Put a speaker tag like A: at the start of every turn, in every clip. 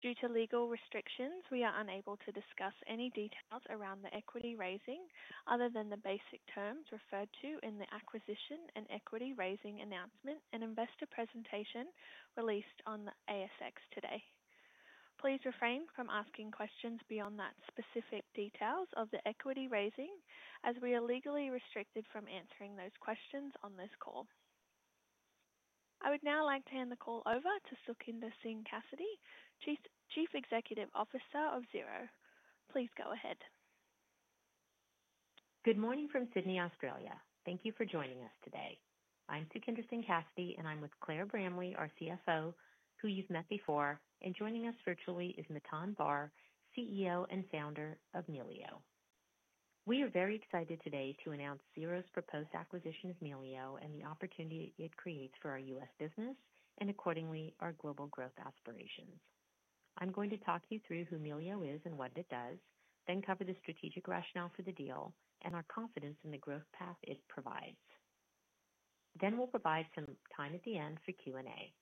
A: Due to legal restrictions, we are unable to discuss any details around the equity raising other than the basic terms referred to in the acquisition and equity raising announcement and investor presentation released on the ASX today. Please refrain from asking questions beyond that specific details of the equity raising, as we are legally restricted from answering those questions on this call. I would now like to hand the call over to Sukhinder Singh Cassidy, Chief Executive Officer of Xero. Please go ahead.
B: Good morning from Sydney, Australia. Thank you for joining us today. I'm Sukhinder Singh Cassidy, and I'm with Claire Bramley, our CFO, who you've met before, and joining us virtually is Matan Bar, CEO and founder of Melio. We are very excited today to announce Xero's proposed acquisition of Melio and the opportunity it creates for our U.S. business and, accordingly, our global growth aspirations. I'm going to talk you through who Melio is and what it does, then cover the strategic rationale for the deal and our confidence in the growth path it provides. Then we'll provide some time at the end for Q&A.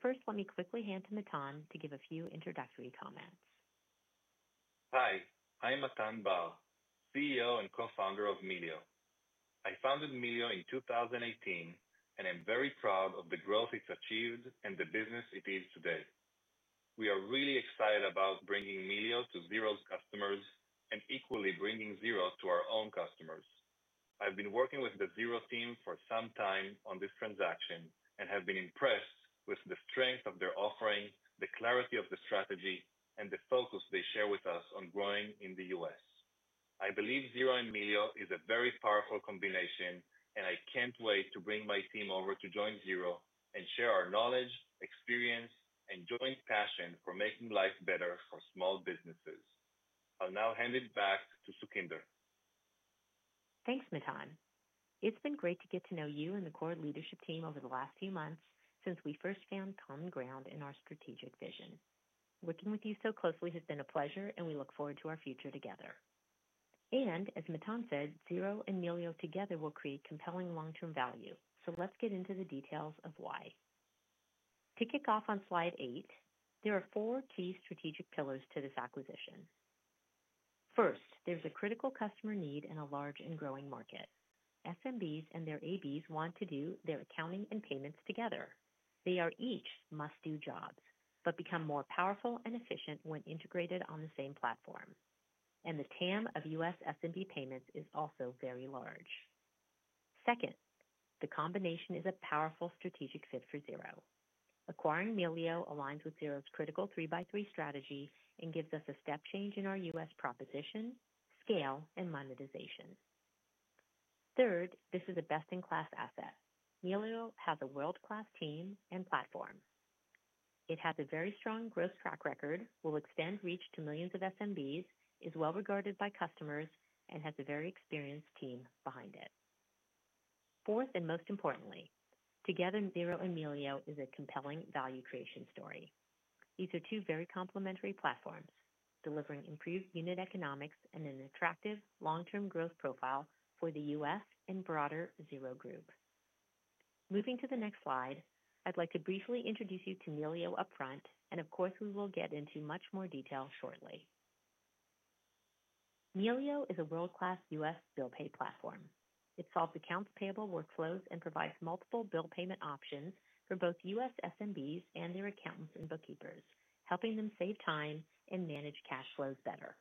B: First, let me quickly hand to Matan to give a few introductory comments.
C: Hi, I'm Matan Bar, CEO and Co-Founder of Melio. I founded Melio in 2018, and I'm very proud of the growth it's achieved and the business it is today. We are really excited about bringing Melio to Xero's customers and equally bringing Xero to our own customers. I've been working with the Xero team for some time on this transaction and have been impressed with the strength of their offering, the clarity of the strategy, and the focus they share with us on growing in the U.S. I believe Xero and Melio is a very powerful combination, and I can't wait to bring my team over to join Xero and share our knowledge, experience, and joint passion for making life better for small businesses. I'll now hand it back to Sukhinder.
B: Thanks, Matan. It's been great to get to know you and the core leadership team over the last few months since we first found common ground in our strategic vision. Working with you so closely has been a pleasure, and we look forward to our future together. As Matan said, Xero and Melio together will create compelling long-term value. Let's get into the details of why. To kick off on slide eight, there are four key strategic pillars to this acquisition. First, there's a critical customer need in a large and growing market. SMBs and their APs want to do their accounting and payments together. They are each must-do jobs but become more powerful and efficient when integrated on the same platform. The TAM of U.S. SMB payments is also very large. Second, the combination is a powerful strategic fit for Xero. Acquiring Melio aligns with Xero's critical three-by-three strategy and gives us a step change in our U.S. proposition, scale, and monetization. Third, this is a best-in-class asset. Melio has a world-class team and platform. It has a very strong growth track record, will extend reach to millions of SMBs, is well regarded by customers, and has a very experienced team behind it. Fourth, and most importantly, together, Xero and Melio is a compelling value creation story. These are two very complementary platforms, delivering improved unit economics and an attractive long-term growth profile for the U.S. and broader Xero group. Moving to the next slide, I'd like to briefly introduce you to Melio upfront, and of course, we will get into much more detail shortly. Melio is a world-class U.S. bill pay platform. It solves accounts payable workflows and provides multiple bill payment options for both U.S. SMBs and their accountants and bookkeepers, helping them save time and manage cash flows better.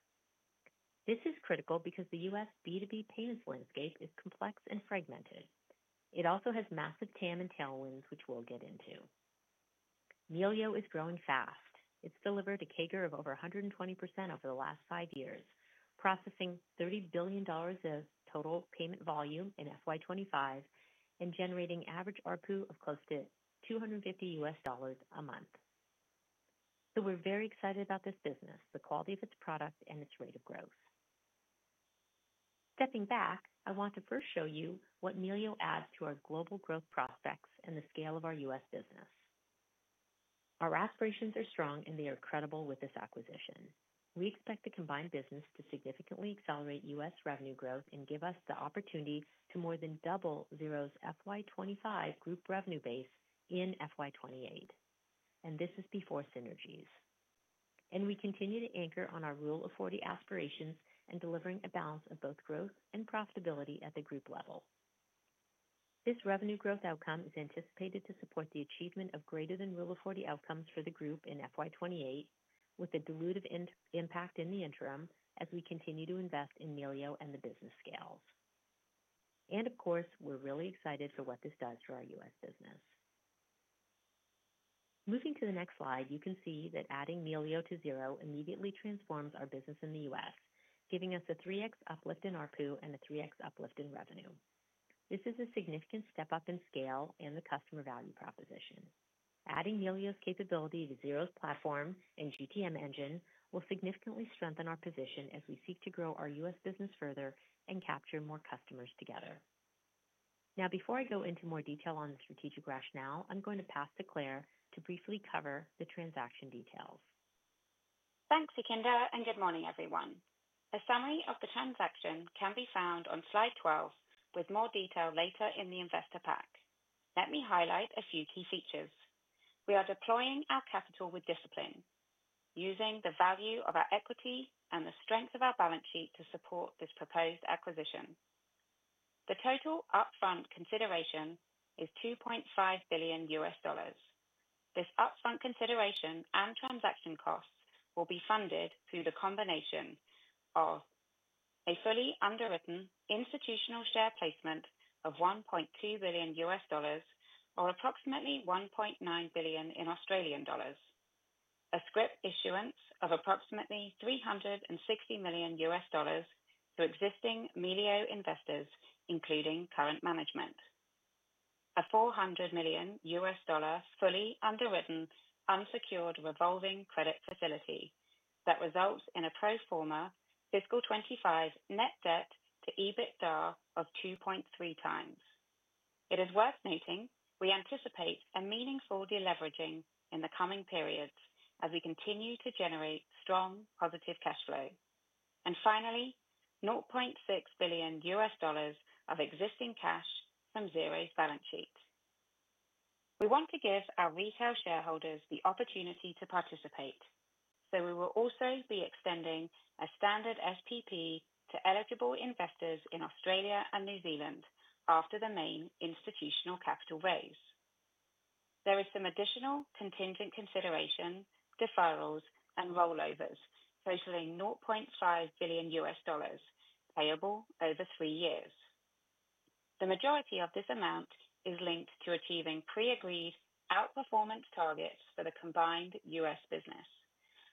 B: This is critical because the U.S. B2B payments landscape is complex and fragmented. It also has massive TAM and tailwinds, which we'll get into. Melio is growing fast. It's delivered a CAGR of over 120% over the last five years, processing $30 billion of total payment volume in FY 2025 and generating average RPU of close to $250 a month. We are very excited about this business, the quality of its product, and its rate of growth. Stepping back, I want to first show you what Melio adds to our global growth prospects and the scale of our U.S. business. Our aspirations are strong, and they are credible with this acquisition. We expect the combined business to significantly accelerate U.S. revenue growth and give us the opportunity to more than double Xero's FY 2025 group revenue base in FY 2028. This is before synergies. We continue to anchor on our Rule of 40 aspirations and delivering a balance of both growth and profitability at the group level. This revenue growth outcome is anticipated to support the achievement of greater than Rule of 40 outcomes for the group in FY 2028, with a dilutive impact in the interim as we continue to invest in Melio and the business scales. Of course, we're really excited for what this does for our U.S. business. Moving to the next slide, you can see that adding Melio to Xero immediately transforms our business in the U.S., giving us a 3X uplift in RPU and a 3X uplift in revenue. This is a significant step up in scale and the customer value proposition. Adding Melio's capability to Xero's platform and GTM engine will significantly strengthen our position as we seek to grow our U.S. business further and capture more customers together. Now, before I go into more detail on the strategic rationale, I'm going to pass to Claire to briefly cover the transaction details.
D: Thanks, Sukhinder, and good morning, everyone. A summary of the transaction can be found on slide 12, with more detail later in the investor pack. Let me highlight a few key features. We are deploying our capital with discipline, using the value of our equity and the strength of our balance sheet to support this proposed acquisition. The total upfront consideration is $2.5 billion. This upfront consideration and transaction costs will be funded through the combination of a fully underwritten institutional share placement of $1.2 billion, or approximately 1.9 billion, a script issuance of approximately $360 million to existing Melio investors, including current management, a $400 million fully underwritten, unsecured revolving credit facility that results in a pro forma fiscal 2025 net debt to EBITDA of 2.3 times. It is worth noting we anticipate a meaningful deleveraging in the coming periods as we continue to generate strong positive cash flow. Finally, $0.6 billion of existing cash from Xero's balance sheet. We want to give our retail shareholders the opportunity to participate, so we will also be extending a standard SPP to eligible investors in Australia and New Zealand after the main institutional capital raise. There is some additional contingent consideration, deferrals, and rollovers totaling $0.5 billion payable over three years. The majority of this amount is linked to achieving pre-agreed outperformance targets for the combined U.S. business,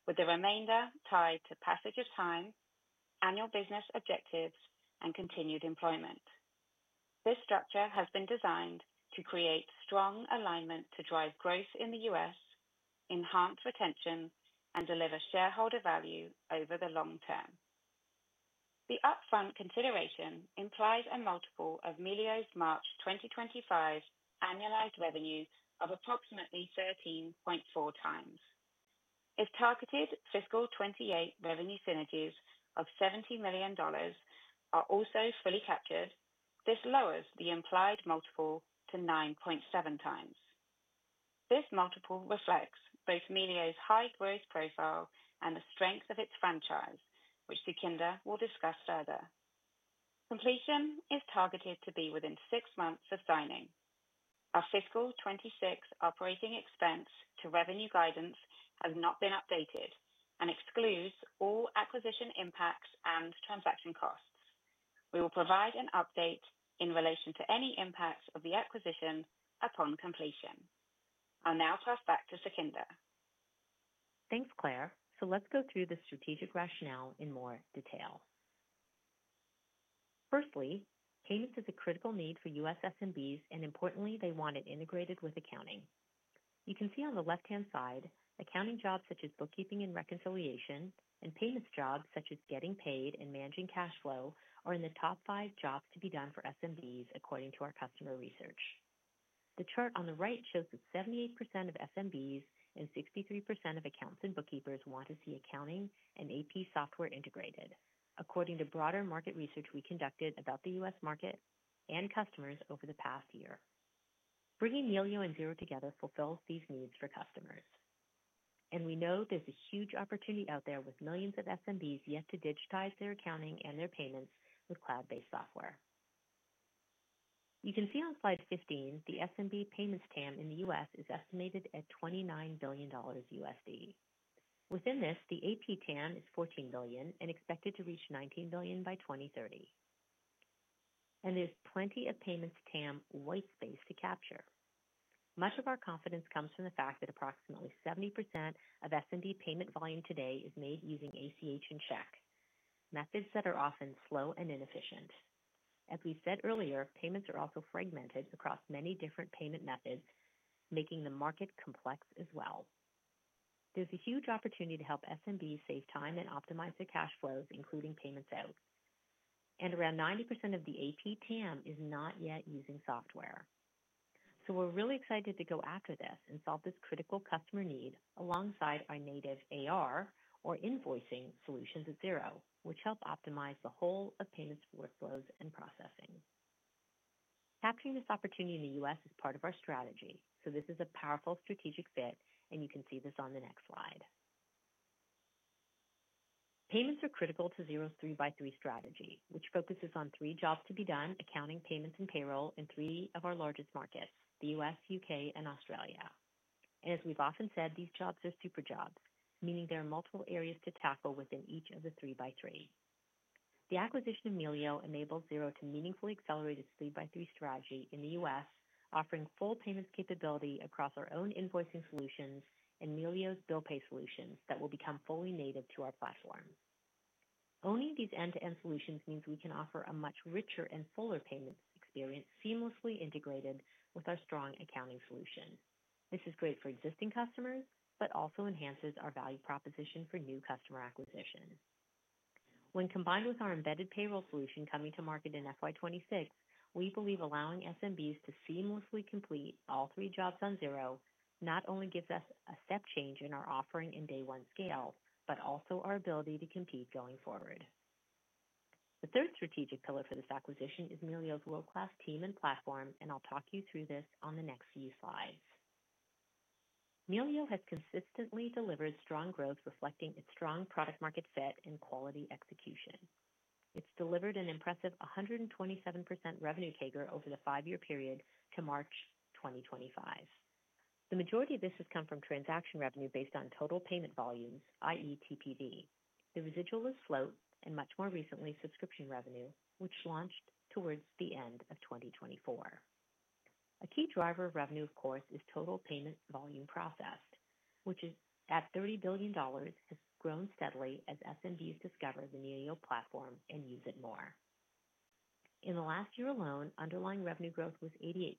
D: with the remainder tied to passage of time, annual business objectives, and continued employment. This structure has been designed to create strong alignment to drive growth in the U.S., enhance retention, and deliver shareholder value over the long term. The upfront consideration implies a multiple of Melio's March 2025 annualized revenue of approximately 13.4 times. If targeted fiscal 2028 revenue synergies of $70 million are also fully captured, this lowers the implied multiple to 9.7 times. This multiple reflects both Melio's high growth profile and the strength of its franchise, which Sukhinder will discuss further. Completion is targeted to be within six months of signing. Our fiscal 2026 operating expense to revenue guidance has not been updated and excludes all acquisition impacts and transaction costs. We will provide an update in relation to any impacts of the acquisition upon completion. I'll now pass back to Sukhinder.
B: Thanks, Claire. Let's go through the strategic rationale in more detail. Firstly, payments is a critical need for U.S. SMBs, and importantly, they want it integrated with accounting. You can see on the left-hand side, accounting jobs such as bookkeeping and reconciliation and payments jobs such as getting paid and managing cash flow are in the top five jobs to be done for SMBs, according to our customer research. The chart on the right shows that 78% of SMBs and 63% of accounts and bookkeepers want to see accounting and AP software integrated, according to broader market research we conducted about the U.S. market and customers over the past year. Bringing Melio and Xero together fulfills these needs for customers. We know there's a huge opportunity out there with millions of SMBs yet to digitize their accounting and their payments with cloud-based software. You can see on slide 15, the SMB payments TAM in the U.S. is estimated at $+29 billion USD. Within this, the AP TAM is $14 billion and expected to reach $19 billion by 2030. There is plenty of payments TAM white space to capture. Much of our confidence comes from the fact that approximately 70% of SMB payment volume today is made using ACH and check, methods that are often slow and inefficient. As we said earlier, payments are also fragmented across many different payment methods, making the market complex as well. There is a huge opportunity to help SMBs save time and optimize their cash flows, including payments out. Around 90% of the AP TAM is not yet using software. We're really excited to go after this and solve this critical customer need alongside our native AR or invoicing solutions at Xero, which help optimize the whole of payments workflows and processing. Capturing this opportunity in the U.S. is part of our strategy. This is a powerful strategic fit, and you can see this on the next slide. Payments are critical to Xero's three-by-three strategy, which focuses on three jobs to be done: accounting, payments, and payroll in three of our largest markets, the U.S., U.K., and Australia. As we've often said, these jobs are super jobs, meaning there are multiple areas to tackle within each of the three-by-three. The acquisition of Melio enables Xero to meaningfully accelerate its three-by-three strategy in the U.S., offering full payments capability across our own invoicing solutions and Melio's bill pay solutions that will become fully native to our platform. Owning these end-to-end solutions means we can offer a much richer and fuller payments experience seamlessly integrated with our strong accounting solution. This is great for existing customers, but also enhances our value proposition for new customer acquisition. When combined with our embedded payroll solution coming to market in FY 2026, we believe allowing SMBs to seamlessly complete all three jobs on Xero not only gives us a step change in our offering and day-one scale, but also our ability to compete going forward. The third strategic pillar for this acquisition is Melio's world-class team and platform, and I'll talk you through this on the next few slides. Melio has consistently delivered strong growth, reflecting its strong product-market fit and quality execution. It's delivered an impressive 127% revenue CAGR over the five-year period to March 2025. The majority of this has come from transaction revenue based on total payment volumes, i.e., TPV. The residual is float and, much more recently, subscription revenue, which launched towards the end of 2024. A key driver of revenue, of course, is total payment volume processed, which at $30 billion has grown steadily as SMBs discover the Melio platform and use it more. In the last year alone, underlying revenue growth was 88%,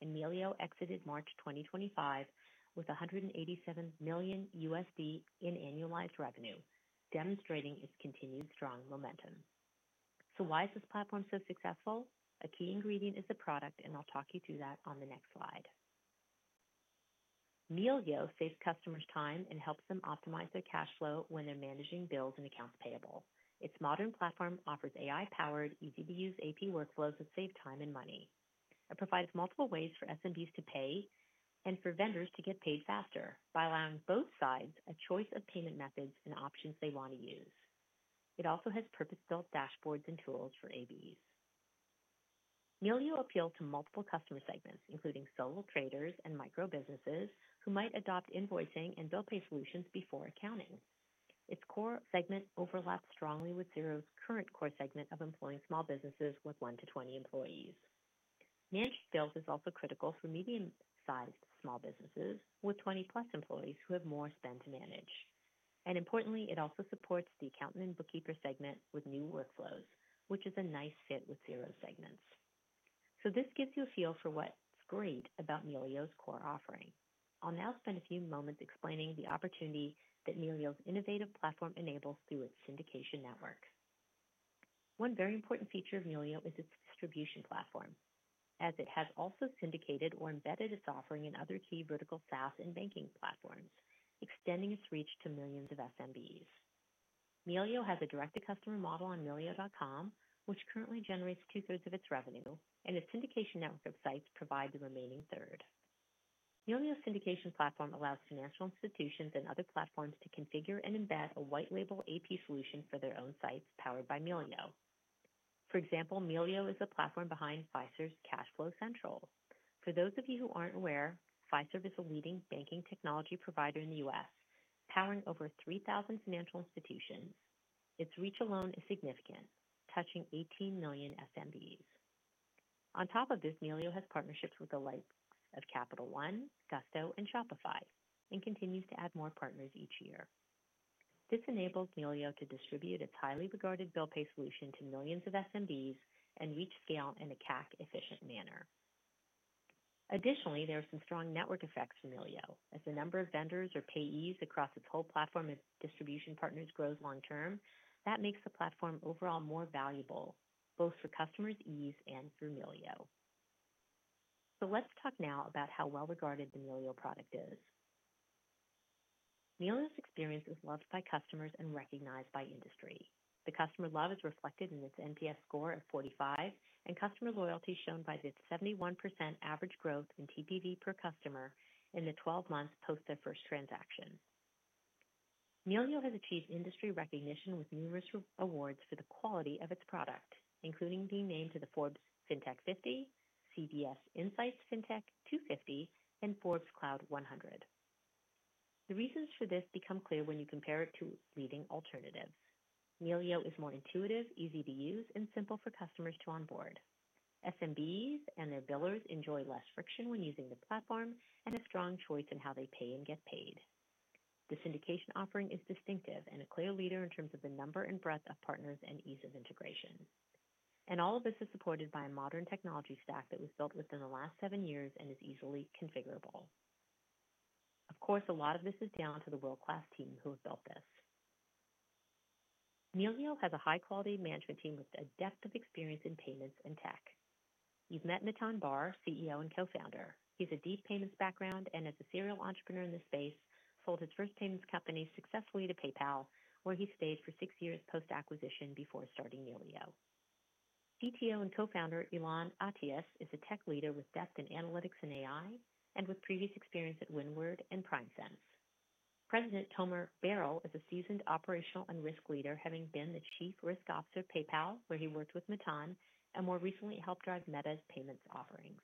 B: and Melio exited March 2025 with $187 million in annualized revenue, demonstrating its continued strong momentum. Why is this platform so successful? A key ingredient is the product, and I'll talk you through that on the next slide. Melio saves customers time and helps them optimize their cash flow when they're managing bills and accounts payable. Its modern platform offers AI-powered, easy-to-use AP workflows that save time and money. It provides multiple ways for SMBs to pay and for vendors to get paid faster by allowing both sides a choice of payment methods and options they want to use. It also has purpose-built dashboards and tools for APs. Melio appeals to multiple customer segments, including solo traders and microbusinesses who might adopt invoicing and bill pay solutions before accounting. Its core segment overlaps strongly with Xero's current core segment of employing small businesses with 1 to 20 employees. Managed sales is also critical for medium-sized small businesses with 20+ employees who have more spend to manage. Importantly, it also supports the accountant and bookkeeper segment with new workflows, which is a nice fit with Xero's segments. This gives you a feel for what's great about Melio's core offering. I'll now spend a few moments explaining the opportunity that Melio's innovative platform enables through its syndication network. One very important feature of Melio is its distribution platform, as it has also syndicated or embedded its offering in other key vertical SaaS and banking platforms, extending its reach to millions of SMBs. Melio has a direct-to-customer model on melio.com, which currently generates two-thirds of its revenue, and its syndication network of sites provides the remaining third. Melio's syndication platform allows financial institutions and other platforms to configure and embed a white-label AP solution for their own sites powered by Melio. For example, Melio is the platform behind Fiserv's Cashflow Central. For those of you who aren't aware, Fiserv is a leading banking technology provider in the U.S., powering over 3,000 financial institutions. Its reach alone is significant, touching 18 million SMBs. On top of this, Melio has partnerships with the likes of Capital One, Gusto, and Shopify, and continues to add more partners each year. This enables Melio to distribute its highly regarded bill pay solution to millions of SMBs and reach scale in a CAC-efficient manner. Additionally, there are some strong network effects for Melio. As the number of vendors or payees across its whole platform and distribution partners grows long-term, that makes the platform overall more valuable, both for customers' ease and for Melio. Let's talk now about how well-regarded the Melio product is. Melio's experience is loved by customers and recognized by industry. The customer love is reflected in its NPS score of 45 and customer loyalty shown by its 71% average growth in TPV per customer in the 12 months post their first transaction. Melio has achieved industry recognition with numerous awards for the quality of its product, including being named to the Forbes Fintech 50, CB Insights Fintech 250, and Forbes Cloud 100. The reasons for this become clear when you compare it to leading alternatives. Melio is more intuitive, easy to use, and simple for customers to onboard. SMBs and their billers enjoy less friction when using the platform and a strong choice in how they pay and get paid. The syndication offering is distinctive and a clear leader in terms of the number and breadth of partners and ease of integration. All of this is supported by a modern technology stack that was built within the last seven years and is easily configurable. Of course, a lot of this is down to the world-class team who have built this. Melio has a high-quality management team with a depth of experience in payments and tech. You've met Matan Bar, CEO and Co-Founder. Has a deep payments background and is a serial entrepreneur in this space, sold his first payments company successfully to PayPal, where he stayed for six years post-acquisition before starting Melio. CTO and Co-Founder Ilan Atias is a tech leader with depth in analytics and AI and with previous experience at Windward and PrimeSense. President Tomer Barel is a seasoned operational and risk leader, having been the Chief Risk Officer at PayPal, where he worked with Matan, and more recently helped drive Meta's payments offerings.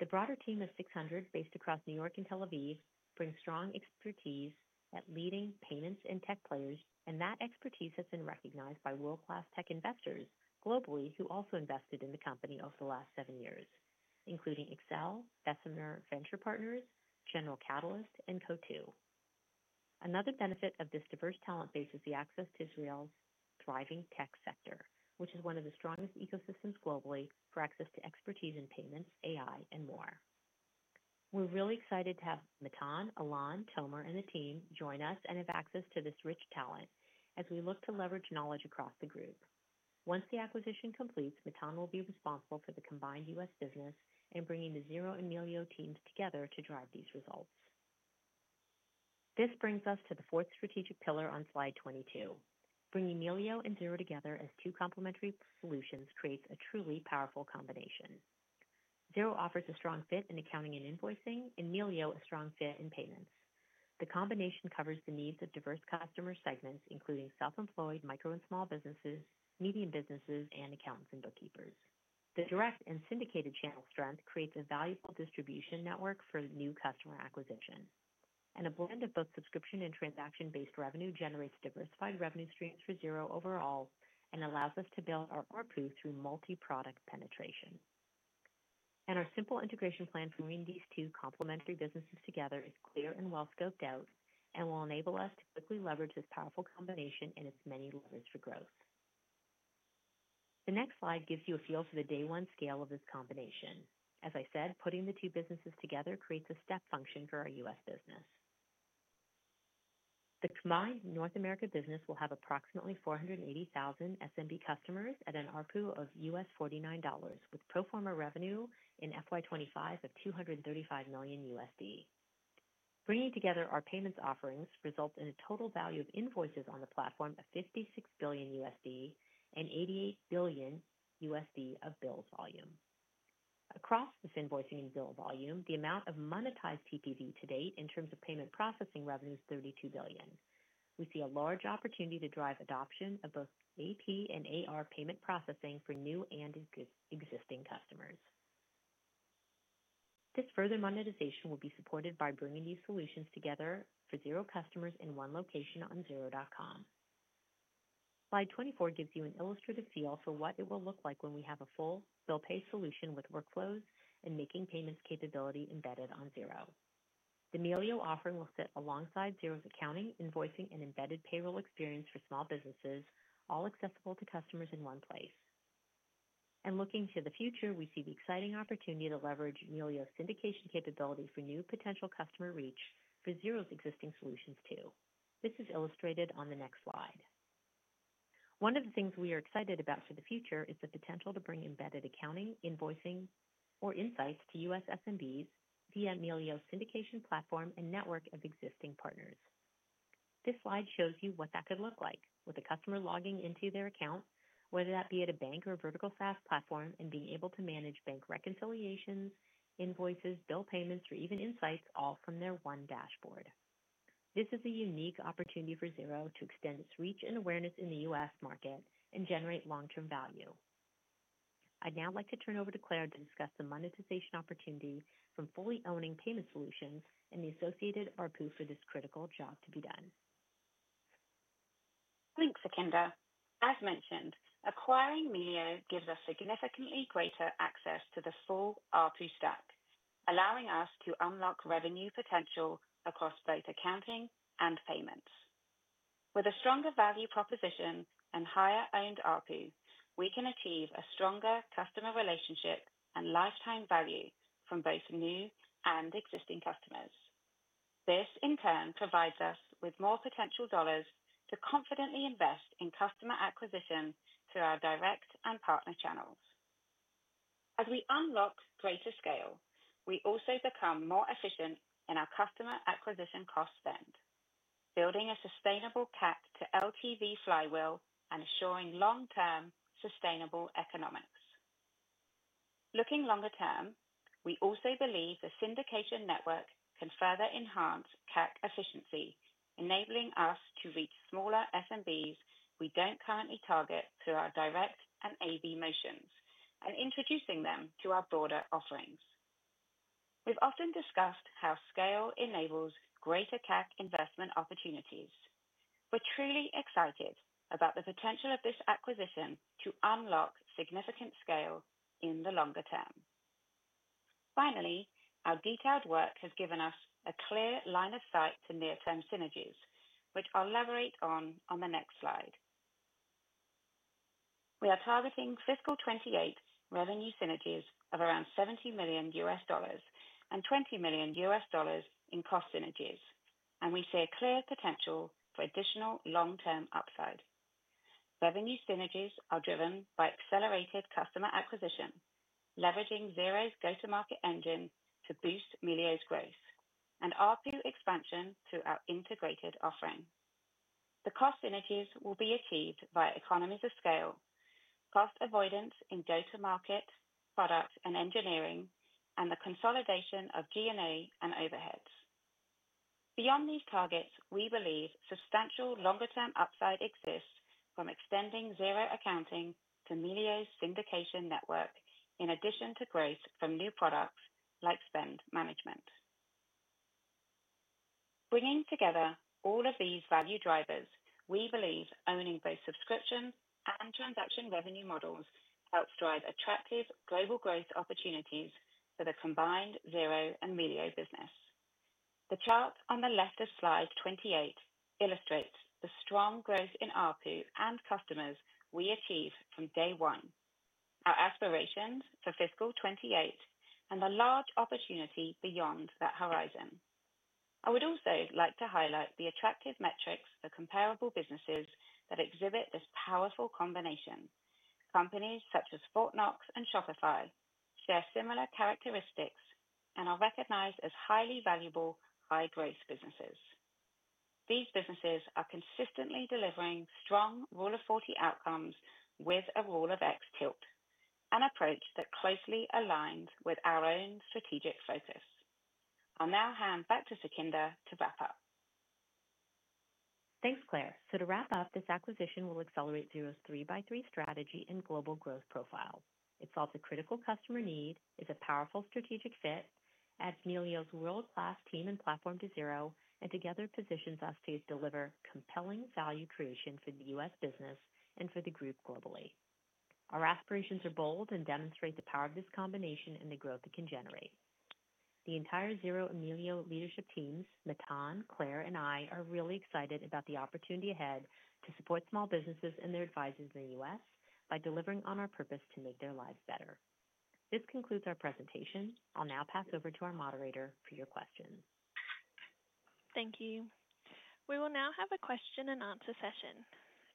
B: The broader team of 600 based across New York and Tel Aviv brings strong expertise at leading payments and tech players, and that expertise has been recognized by world-class tech investors globally who also invested in the company over the last seven years, including Accel, Bessemer Venture Partners, General Catalyst, and COTU. Another benefit of this diverse talent base is the access to Israel's thriving tech sector, which is one of the strongest ecosystems globally for access to expertise in payments, AI, and more. We're really excited to have Matan, Ilan, Tomer, and the team join us and have access to this rich talent as we look to leverage knowledge across the group. Once the acquisition completes, Matan will be responsible for the combined U.S. business and bringing the Xero and Melio teams together to drive these results. This brings us to the fourth strategic pillar on slide 22. Bringing Melio and Xero together as two complementary solutions creates a truly powerful combination. Xero offers a strong fit in accounting and invoicing, and Melio a strong fit in payments. The combination covers the needs of diverse customer segments, including self-employed, micro and small businesses, medium businesses, and accountants and bookkeepers. The direct and syndicated channel strength creates a valuable distribution network for new customer acquisition. A blend of both subscription and transaction-based revenue generates diversified revenue streams for Xero overall and allows us to build our ARPU through multi-product penetration. Our simple integration plan for bringing these two complementary businesses together is clear and well scoped out and will enable us to quickly leverage this powerful combination and its many levers for growth. The next slide gives you a feel for the day one scale of this combination. As I said, putting the two businesses together creates a step function for our U.S. business. The Xero North America business will have approximately 480,000 SMB customers and an ARPU of $49, with pro forma revenue in FY 2025 of $235 million. Bringing together our payments offerings results in a total value of invoices on the platform of $56 billion and $88 billion of bills volume. Across this invoicing and bill volume, the amount of monetized TPV to date in terms of payment processing revenue is $32 billion. We see a large opportunity to drive adoption of both AP and AR payment processing for new and existing customers. This further monetization will be supported by bringing these solutions together for Xero customers in one location on xero.com. Slide 24 gives you an illustrative feel for what it will look like when we have a full bill pay solution with workflows and making payments capability embedded on Xero. The Melio offering will sit alongside Xero's accounting, invoicing, and embedded payroll experience for small businesses, all accessible to customers in one place. Looking to the future, we see the exciting opportunity to leverage Melio's syndication capability for new potential customer reach for Xero's existing solutions too. This is illustrated on the next slide. One of the things we are excited about for the future is the potential to bring embedded accounting, invoicing, or insights to U.S. SMBs via Melio's syndication platform and network of existing partners. This slide shows you what that could look like, with a customer logging into their account, whether that be at a bank or a vertical SaaS platform, and being able to manage bank reconciliations, invoices, bill payments, or even insights, all from their one dashboard. This is a unique opportunity for Xero to extend its reach and awareness in the U.S. market and generate long-term value. I'd now like to turn over to Claire to discuss the monetization opportunity from fully owning payment solutions and the associated ARPU for this critical job to be done.
D: Thanks, Sukhinder. As mentioned, acquiring Melio gives us significantly greater access to the full ARPU stack, allowing us to unlock revenue potential across both accounting and payments. With a stronger value proposition and higher-owned ARPU, we can achieve a stronger customer relationship and lifetime value from both new and existing customers. This, in turn, provides us with more potential dollars to confidently invest in customer acquisition through our direct and partner channels. As we unlock greater scale, we also become more efficient in our customer acquisition cost spend, building a sustainable CAC to LTV flywheel and assuring long-term sustainable economics. Looking longer term, we also believe the syndication network can further enhance CAC efficiency, enabling us to reach smaller SMBs we do not currently target through our direct and AB motions and introducing them to our broader offerings. We have often discussed how scale enables greater CAC investment opportunities. We are truly excited about the potential of this acquisition to unlock significant scale in the longer term. Finally, our detailed work has given us a clear line of sight to near-term synergies, which I will elaborate on on the next slide. We are targeting fiscal 2028 revenue synergies of around $70 million and $20 million in cost synergies, and we see a clear potential for additional long-term upside. Revenue synergies are driven by accelerated customer acquisition, leveraging Xero's go-to-market engine to boost Melio's growth and ARPU expansion through our integrated offering. The cost synergies will be achieved via economies of scale, cost avoidance in go-to-market product and engineering, and the consolidation of G&A and overheads. Beyond these targets, we believe substantial longer-term upside exists from extending Xero accounting to Melio's syndication network in addition to growth from new products like spend management. Bringing together all of these value drivers, we believe owning both subscription and transaction revenue models helps drive attractive global growth opportunities for the combined Xero and Melio business. The chart on the left of slide 28 illustrates the strong growth in ARPU and customers we achieve from day one, our aspirations for fiscal 2028, and the large opportunity beyond that horizon. I would also like to highlight the attractive metrics for comparable businesses that exhibit this powerful combination. Companies such as Fortnox and Shopify share similar characteristics and are recognized as highly valuable high-growth businesses. These businesses are consistently delivering strong rule of 40 outcomes with a rule of X tilt, an approach that closely aligns with our own strategic focus. I'll now hand back to Sukhinder to wrap up.
B: Thanks, Claire. To wrap up, this acquisition will accelerate Xero's three-by-three strategy and global growth profile. It solves a critical customer need, is a powerful strategic fit, adds Melio's world-class team and platform to Xero, and together positions us to deliver compelling value creation for the U.S. business and for the group globally. Our aspirations are bold and demonstrate the power of this combination and the growth it can generate. The entire Xero and Melio leadership teams, Matan, Claire, and I are really excited about the opportunity ahead to support small businesses and their advisors in the U.S. by delivering on our purpose to make their lives better. This concludes our presentation. I'll now pass over to our moderator for your questions.
A: Thank you. We will now have a question and answer session.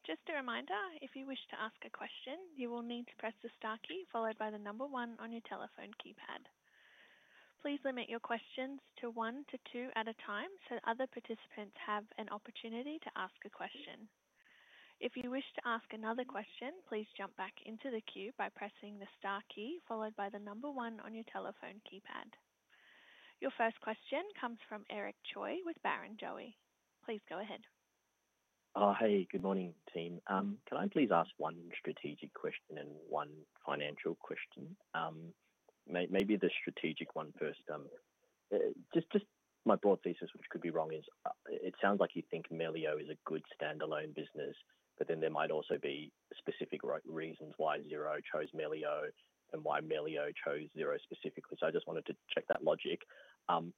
A: Just a reminder, if you wish to ask a question, you will need to press the star key followed by the number one on your telephone keypad. Please limit your questions to one to two at a time so other participants have an opportunity to ask a question. If you wish to ask another question, please jump back into the queue by pressing the star key followed by the number one on your telephone keypad. Your first question comes from Eric Choi with Barrenjoey. Please go ahead.
E: Oh, hey, good morning, team. Can I please ask one strategic question and one financial question? Maybe the strategic one first. Just my broad thesis, which could be wrong, is it sounds like you think Melio is a good standalone business, but then there might also be specific reasons why Xero chose Melio and why Melio chose Xero specifically. I just wanted to check that logic. On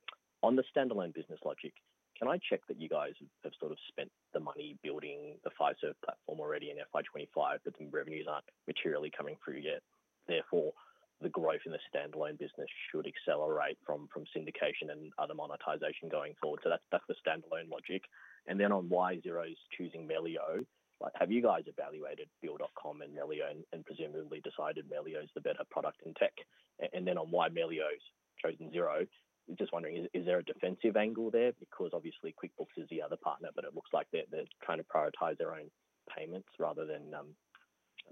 E: the standalone business logic, can I check that you guys have sort of spent the money building the Fiserv platform already in FY 2025, but the revenues are not materially coming through yet? Therefore, the growth in the standalone business should accelerate from syndication and other monetization going forward. That is the standalone logic. On why Xero is choosing Melio, have you guys evaluated Bill.com and Melio and presumably decided Melio is the better product and tech? On why Melio has chosen Xero, just wondering, is there a defensive angle there? Because obviously QuickBooks is the other partner, but it looks like they're trying to prioritize their own payments rather than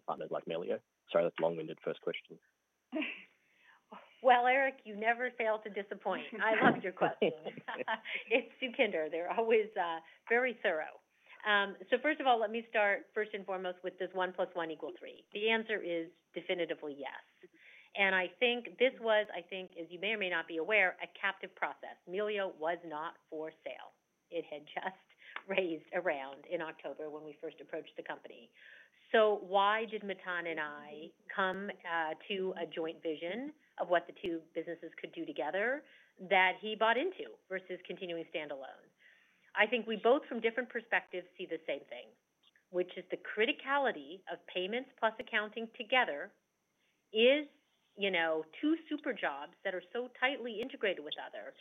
E: partners like Melio. Sorry, that's a long-winded first question.
B: Eric, you never fail to disappoint. I loved your question. It's Sukhinder. They're always very thorough. First of all, let me start first and foremost with this 1 + 1 = 3. The answer is definitively yes. I think this was, I think, as you may or may not be aware, a captive process. Melio was not for sale. It had just raised a round in October when we first approached the company. Why did Matan and I come to a joint vision of what the two businesses could do together that he bought into versus continuing standalone? I think we both, from different perspectives, see the same thing, which is the criticality of payments plus accounting together is two super jobs that are so tightly integrated with each other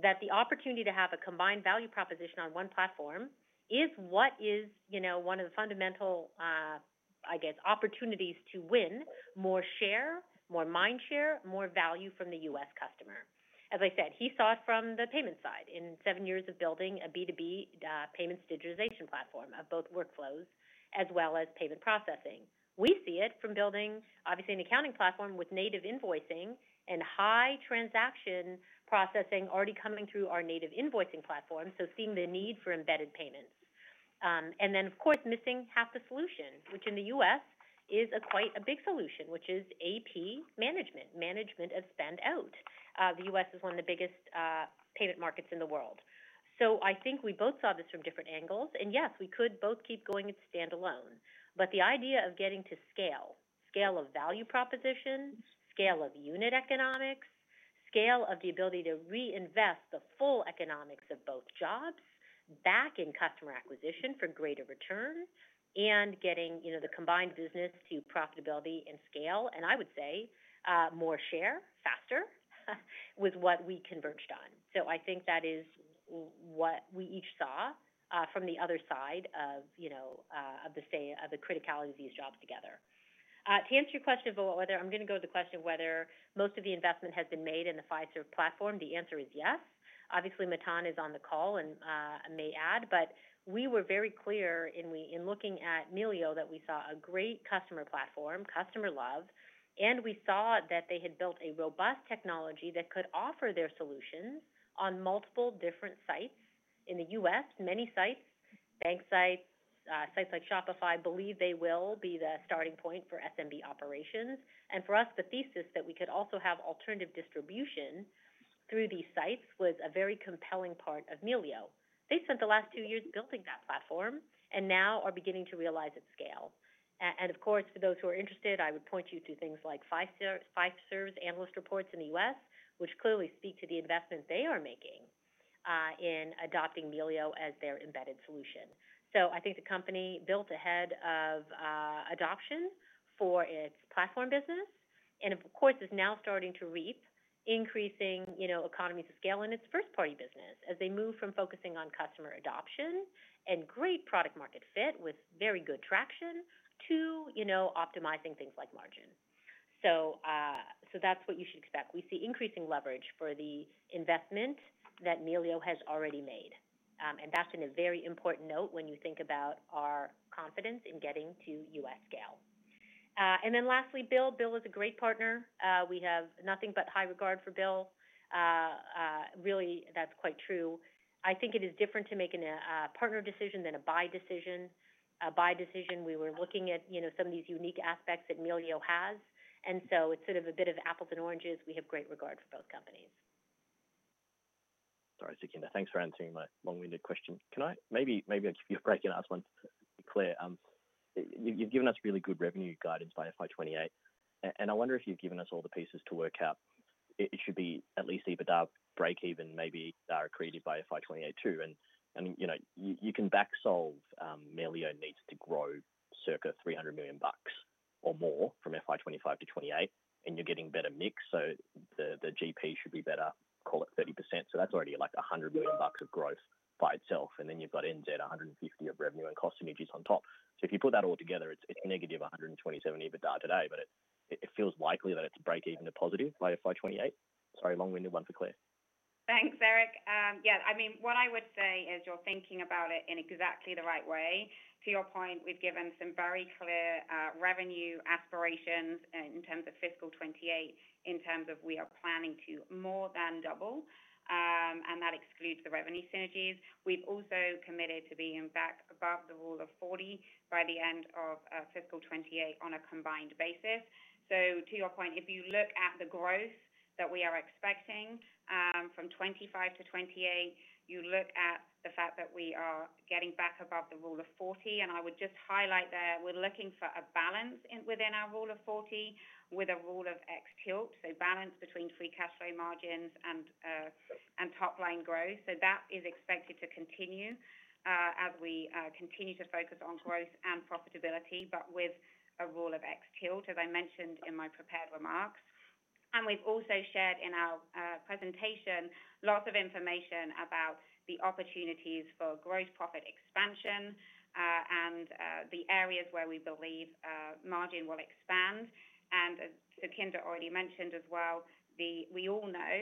B: that the opportunity to have a combined value proposition on one platform is what is one of the fundamental, I guess, opportunities to win more share, more mind share, more value from the U.S. customer. As I said, he saw it from the payment side in seven years of building a B2B payments digitization platform of both workflows as well as payment processing. We see it from building, obviously, an accounting platform with native invoicing and high transaction processing already coming through our native invoicing platform, seeing the need for embedded payments. Of course, missing half the solution, which in the U.S. is quite a big solution, which is AP management, management of spend out. The U.S. is one of the biggest payment markets in the world. I think we both saw this from different angles. Yes, we could both keep going at standalone, but the idea of getting to scale, scale of value proposition, scale of unit economics, scale of the ability to reinvest the full economics of both jobs back in customer acquisition for greater return, and getting the combined business to profitability and scale, and I would say more share faster, was what we converged on. I think that is what we each saw from the other side of the criticality of these jobs together. To answer your question of whether most of the investment has been made in the Fiserv platform, the answer is yes. Obviously, Matan is on the call and may add, but we were very clear in looking at Melio that we saw a great customer platform, customer love, and we saw that they had built a robust technology that could offer their solutions on multiple different sites in the U.S., many sites, bank sites, sites like Shopify. I believe they will be the starting point for SMB operations. For us, the thesis that we could also have alternative distribution through these sites was a very compelling part of Melio. They spent the last two years building that platform and now are beginning to realize its scale. Of course, for those who are interested, I would point you to things like Fiserv's analyst reports in the U.S., which clearly speak to the investment they are making in adopting Melio as their embedded solution. I think the company built ahead of adoption for its platform business and, of course, is now starting to reap increasing economies of scale in its first-party business as they move from focusing on customer adoption and great product-market fit with very good traction to optimizing things like margin. That is what you should expect. We see increasing leverage for the investment that Melio has already made. That is a very important note when you think about our confidence in getting to U.S. scale. Lastly, Bill. Bill is a great partner. We have nothing but high regard for Bill. Really, that is quite true. I think it is different to make a partner decision than a buy decision. A buy decision, we were looking at some of these unique aspects that Melio has. It is sort of a bit of apples and oranges. We have great regard for both companies.
E: Sorry, Sukhinder. Thanks for answering my long-winded question. Can I maybe give you a break and ask one? Claire, you've given us really good revenue guidance by FY 2028. I wonder if you've given us all the pieces to work out. It should be at least EBITDA break-even maybe created by FY 2028 too. You can back-solve Melio needs to grow circa $300 million or more from FY 2025 to FY 2028, and you're getting better mix. The GP should be better, call it 30%. That is already like $100 million of growth by itself. Then you've got $150 million of revenue and cost synergies on top. If you put that all together, it's -$127 million EBITDA today, but it feels likely that it's a break-even to positive by FY 2028. Sorry, long-winded one for Claire.
D: Thanks, Eric. Yeah. I mean, what I would say is you're thinking about it in exactly the right way. To your point, we've given some very clear revenue aspirations in terms of fiscal 2028, in terms of we are planning to more than double, and that excludes the revenue synergies. We've also committed to being back above the rule of 40 by the end of fiscal 2028 on a combined basis. To your point, if you look at the growth that we are expecting from 2025 to 2028, you look at the fact that we are getting back above the rule of 40. I would just highlight that we're looking for a balance within our rule of 40 with a rule of X tilt, so balance between free cash flow margins and top-line growth. That is expected to continue as we continue to focus on growth and profitability, but with a rule of X tilt, as I mentioned in my prepared remarks. We have also shared in our presentation lots of information about the opportunities for growth, profit expansion, and the areas where we believe margin will expand. Sukhinder already mentioned as well, we all know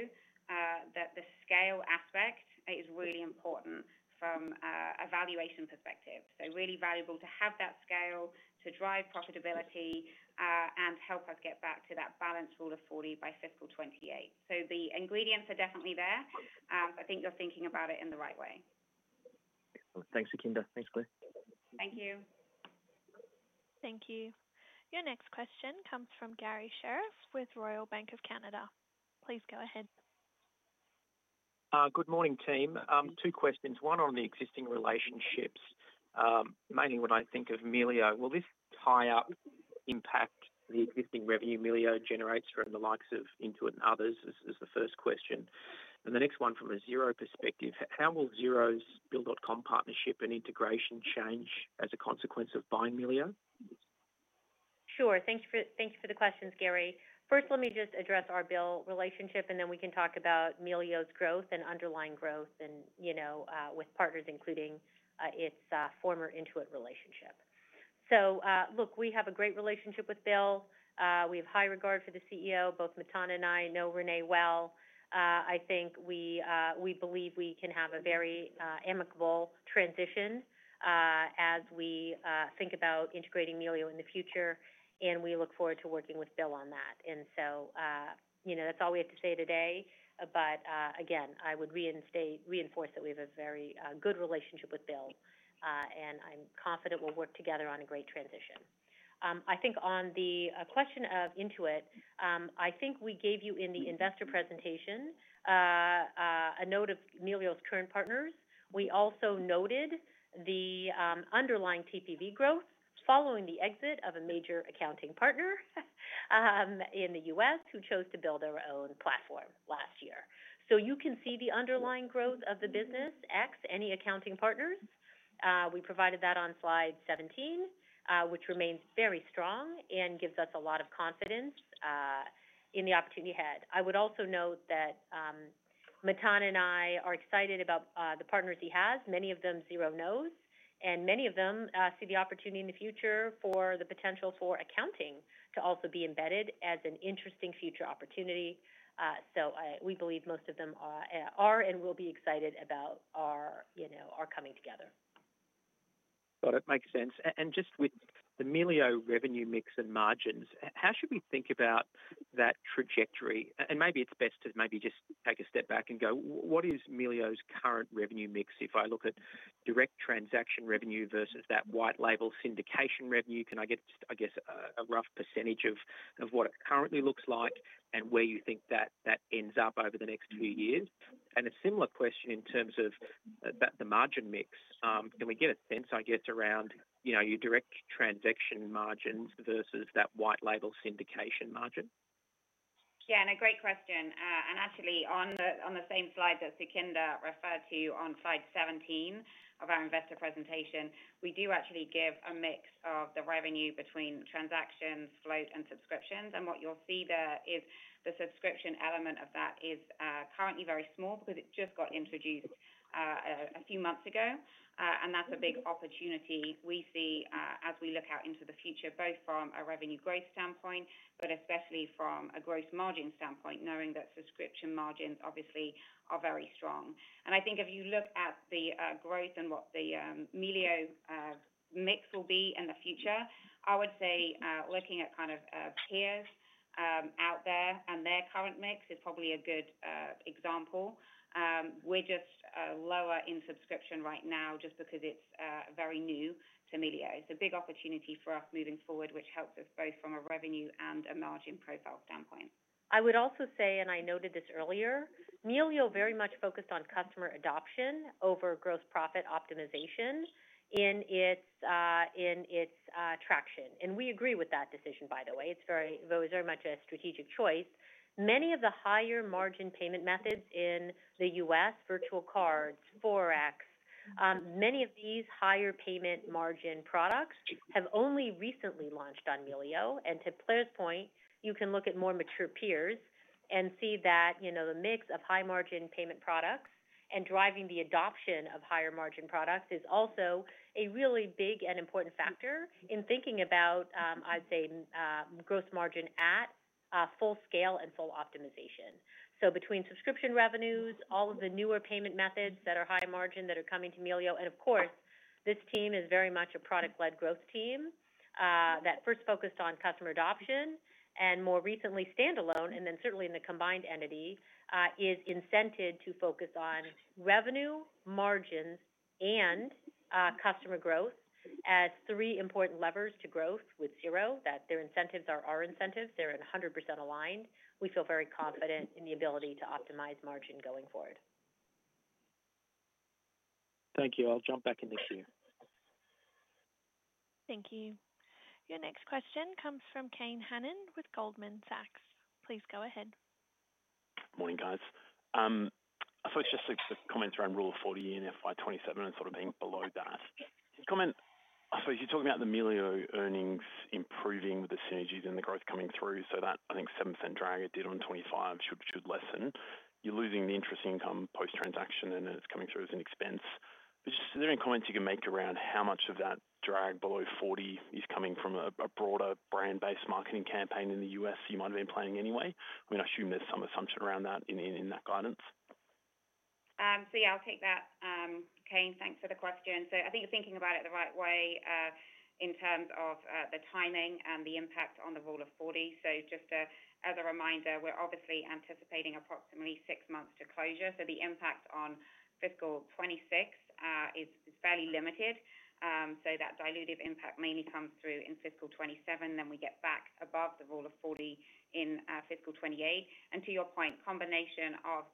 D: that the scale aspect is really important from a valuation perspective. It is really valuable to have that scale to drive profitability and help us get back to that balanced rule of 40 by fiscal 2028. The ingredients are definitely there. I think you are thinking about it in the right way.
E: Thanks, Sukhinder. Thanks, Claire.
D: Thank you.
A: Thank you. Your next question comes from Garry Sherriff with Royal Bank of Canada. Please go ahead.
F: Good morning, team. Two questions. One on the existing relationships, mainly when I think of Melio. Will this tie up impact the existing revenue Melio generates from the likes of Intuit and others is the first question. The next one from a Xero perspective, how will Xero's Bill.com partnership and integration change as a consequence of buying Melio?
B: Sure. Thank you for the questions, Garry. First, let me just address our Bill relationship, and then we can talk about Melio's growth and underlying growth with partners, including its former Intuit relationship. Look, we have a great relationship with Bill. We have high regard for the CEO. Both Matan and I know René well. I think we believe we can have a very amicable transition as we think about integrating Melio in the future, and we look forward to working with Bill on that. That is all we have to say today. I would reinforce that we have a very good relationship with Bill, and I'm confident we'll work together on a great transition. I think on the question of Intuit, I think we gave you in the investor presentation a note of Melio's current partners. We also noted the underlying TPV growth following the exit of a major accounting partner in the U.S. who chose to build their own platform last year. You can see the underlying growth of the business, ex any accounting partners. We provided that on slide 17, which remains very strong and gives us a lot of confidence in the opportunity ahead. I would also note that Matan and I are excited about the partners he has, many of them Xero knows, and many of them see the opportunity in the future for the potential for accounting to also be embedded as an interesting future opportunity. We believe most of them are and will be excited about our coming together.
F: Got it. Makes sense. Just with the Melio revenue mix and margins, how should we think about that trajectory? Maybe it is best to just take a step back and go, what is Melio's current revenue mix if I look at direct transaction revenue versus that white label syndication revenue? Can I get, I guess, a rough percentage of what it currently looks like and where you think that ends up over the next few years? A similar question in terms of the margin mix. Can we get a sense, I guess, around your direct transaction margins versus that white label syndication margin?
D: Yeah, a great question. Actually, on the same slide that Sukhinder referred to on slide 17 of our investor presentation, we do actually give a mix of the revenue between transactions, float, and subscriptions. What you'll see there is the subscription element of that is currently very small because it just got introduced a few months ago. That's a big opportunity we see as we look out into the future, both from a revenue growth standpoint, but especially from a gross margin standpoint, knowing that subscription margins obviously are very strong. I think if you look at the growth and what the Melio mix will be in the future, I would say looking at kind of peers out there and their current mix is probably a good example. We're just lower in subscription right now just because it's very new to Melio. It's a big opportunity for us moving forward, which helps us both from a revenue and a margin profile standpoint.
B: I would also say, and I noted this earlier, Melio very much focused on customer adoption over gross profit optimization in its traction. We agree with that decision, by the way. It's very much a strategic choice. Many of the higher margin payment methods in the U.S., virtual cards, Forex, many of these higher payment margin products have only recently launched on Melio. To Claire's point, you can look at more mature peers and see that the mix of high margin payment products and driving the adoption of higher margin products is also a really big and important factor in thinking about, I'd say, gross margin at full scale and full optimization. Between subscription revenues, all of the newer payment methods that are high margin that are coming to Melio, this team is very much a product-led growth team that first focused on customer adoption and more recently standalone, and then certainly in the combined entity is incented to focus on revenue, margins, and customer growth as three important levers to growth with Xero, that their incentives are our incentives. They're 100% aligned. We feel very confident in the ability to optimize margin going forward.
G: Thank you. I'll jump back in this here.
A: Thank you. Your next question comes from Kane Hannan with Goldman Sachs. Please go ahead.
G: Morning, guys. I suppose just the comments around rule of 40 and FY 2027 and sort of being below that. I suppose you're talking about the Melio earnings improving with the synergies and the growth coming through so that I think 7% drag it did on 2025 should lessen. You're losing the interest income post-transaction, and it's coming through as an expense. Is there any comments you can make around how much of that drag below 40 is coming from a broader brand-based marketing campaign in the U.S. you might have been planning anyway? I mean, I assume there's some assumption around that in that guidance.
D: Yeah, I'll take that. Kane, thanks for the question. I think you're thinking about it the right way in terms of the timing and the impact on the rule of 40. Just as a reminder, we're obviously anticipating approximately six months to closure. The impact on fiscal 2026 is fairly limited. That dilutive impact mainly comes through in fiscal 2027. We get back above the rule of 40 in fiscal 2028. To your point, combination of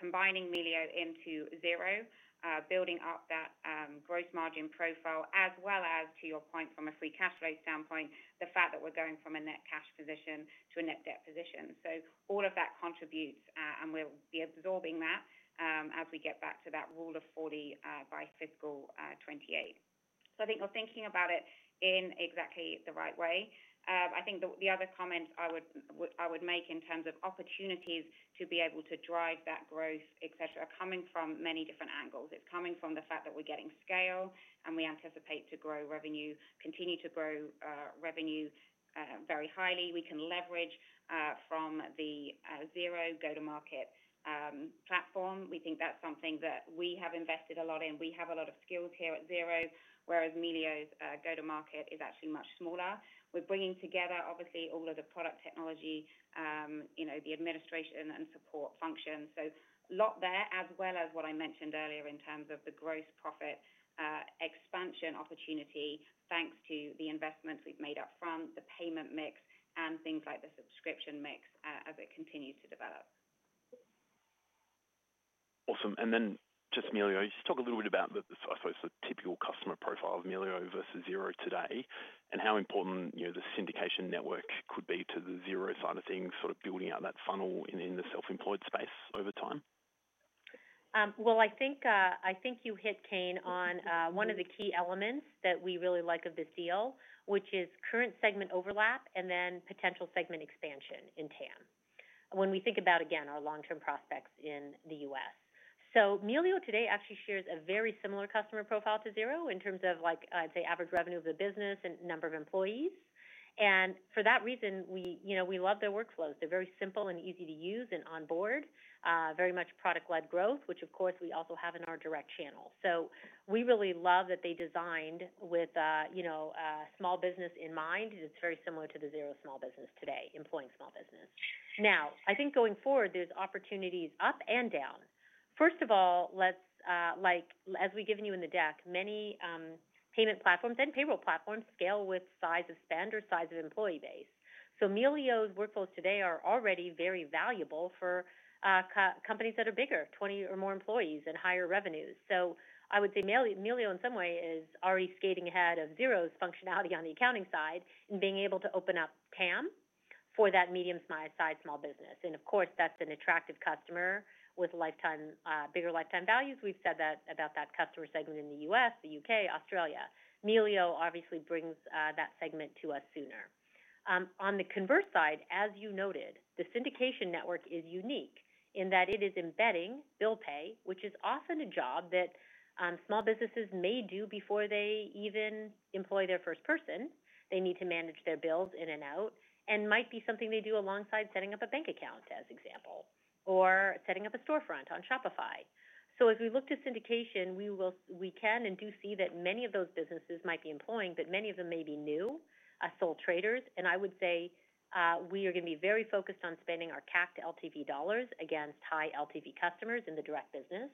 D: combining Melio into Xero, building up that gross margin profile, as well as, to your point, from a free cash flow standpoint, the fact that we're going from a net cash position to a net debt position. All of that contributes, and we'll be absorbing that as we get back to that rule of 40 by fiscal 2028. I think you're thinking about it in exactly the right way. I think the other comments I would make in terms of opportunities to be able to drive that growth, etc., are coming from many different angles. It's coming from the fact that we're getting scale, and we anticipate to grow revenue, continue to grow revenue very highly. We can leverage from the Xero go-to-market platform. We think that's something that we have invested a lot in. We have a lot of skills here at Xero, whereas Melio's go-to-market is actually much smaller. We're bringing together, obviously, all of the product technology, the administration and support functions. A lot there, as well as what I mentioned earlier in terms of the gross profit expansion opportunity, thanks to the investments we've made up front, the payment mix, and things like the subscription mix as it continues to develop.
G: Awesome. Just Melio, just talk a little bit about, I suppose, the typical customer profile of Melio versus Xero today and how important the syndication network could be to the Xero side of things, sort of building out that funnel in the self-employed space over time.
B: I think you hit, Kane, on one of the key elements that we really like of this deal, which is current segment overlap and then potential segment expansion in TAM when we think about, again, our long-term prospects in the U.S. Melio today actually shares a very similar customer profile to Xero in terms of, I'd say, average revenue of the business and number of employees. For that reason, we love their workflows. They're very simple and easy to use and on board, very much product-led growth, which, of course, we also have in our direct channel. We really love that they designed with a small business in mind. It's very similar to the Xero small business today, employing small business. Now, I think going forward, there's opportunities up and down. First of all, as we've given you in the deck, many payment platforms and payroll platforms scale with size of spend or size of employee base. Melio's workflows today are already very valuable for companies that are bigger, 20 or more employees and higher revenues. I would say Melio, in some way, is already skating ahead of Xero's functionality on the accounting side and being able to open up TAM for that medium-sized small business. Of course, that's an attractive customer with bigger lifetime values. We've said that about that customer segment in the U.S., the U.K., Australia. Melio obviously brings that segment to us sooner. On the converse side, as you noted, the syndication network is unique in that it is embedding bill pay, which is often a job that small businesses may do before they even employ their first person. They need to manage their bills in and out and might be something they do alongside setting up a bank account, as example, or setting up a storefront on Shopify. As we look to syndication, we can and do see that many of those businesses might be employing, but many of them may be new, sole traders. I would say we are going to be very focused on spending our CAC to LTV dollars against high LTV customers in the direct business.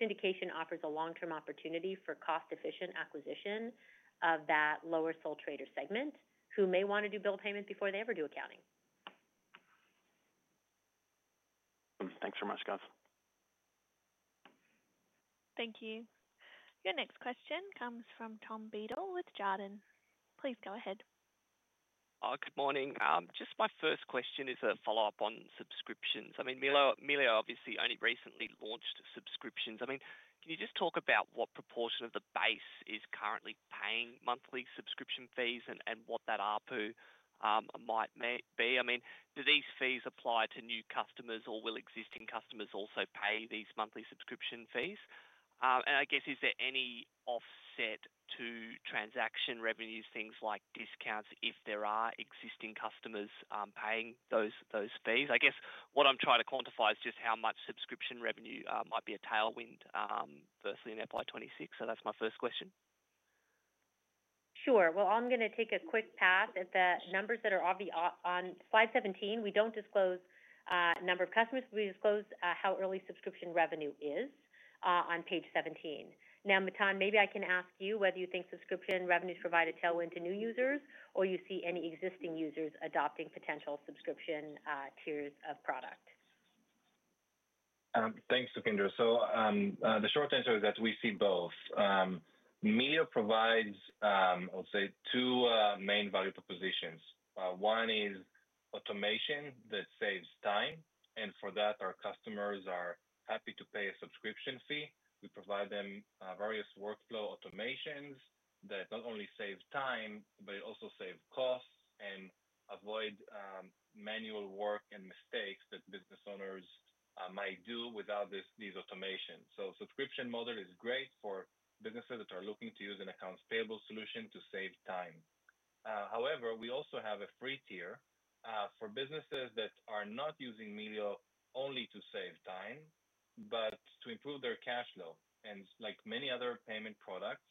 B: Syndication offers a long-term opportunity for cost-efficient acquisition of that lower sole trader segment who may want to do bill payment before they ever do accounting.
G: Thanks very much, guys.
A: Thank you. Your next question comes from Tom Beadle with Jarden. Please go ahead.
H: Good morning. Just my first question is a follow-up on subscriptions. I mean, Melio obviously only recently launched subscriptions. I mean, can you just talk about what proportion of the base is currently paying monthly subscription fees and what that ARPU might be? I mean, do these fees apply to new customers, or will existing customers also pay these monthly subscription fees? I guess, is there any offset to transaction revenues, things like discounts if there are existing customers paying those fees? I guess what I'm trying to quantify is just how much subscription revenue might be a tailwind versus in FY 2026. That is my first question.
B: Sure. I am going to take a quick pass at the numbers that are on slide 17. We do not disclose the number of customers. We disclose how early subscription revenue is on page 17. Now, Matan, maybe I can ask you whether you think subscription revenues provide a tailwind to new users or you see any existing users adopting potential subscription tiers of product.
C: Thanks, Sukhinder. The short answer is that we see both. Melio provides, I would say, two main value propositions. One is automation that saves time. For that, our customers are happy to pay a subscription fee. We provide them various workflow automations that not only save time, but also save costs and avoid manual work and mistakes that business owners might do without these automations. The subscription model is great for businesses that are looking to use an accounts payable solution to save time. However, we also have a free tier for businesses that are not using Melio only to save time, but to improve their cash flow. Like many other payment products,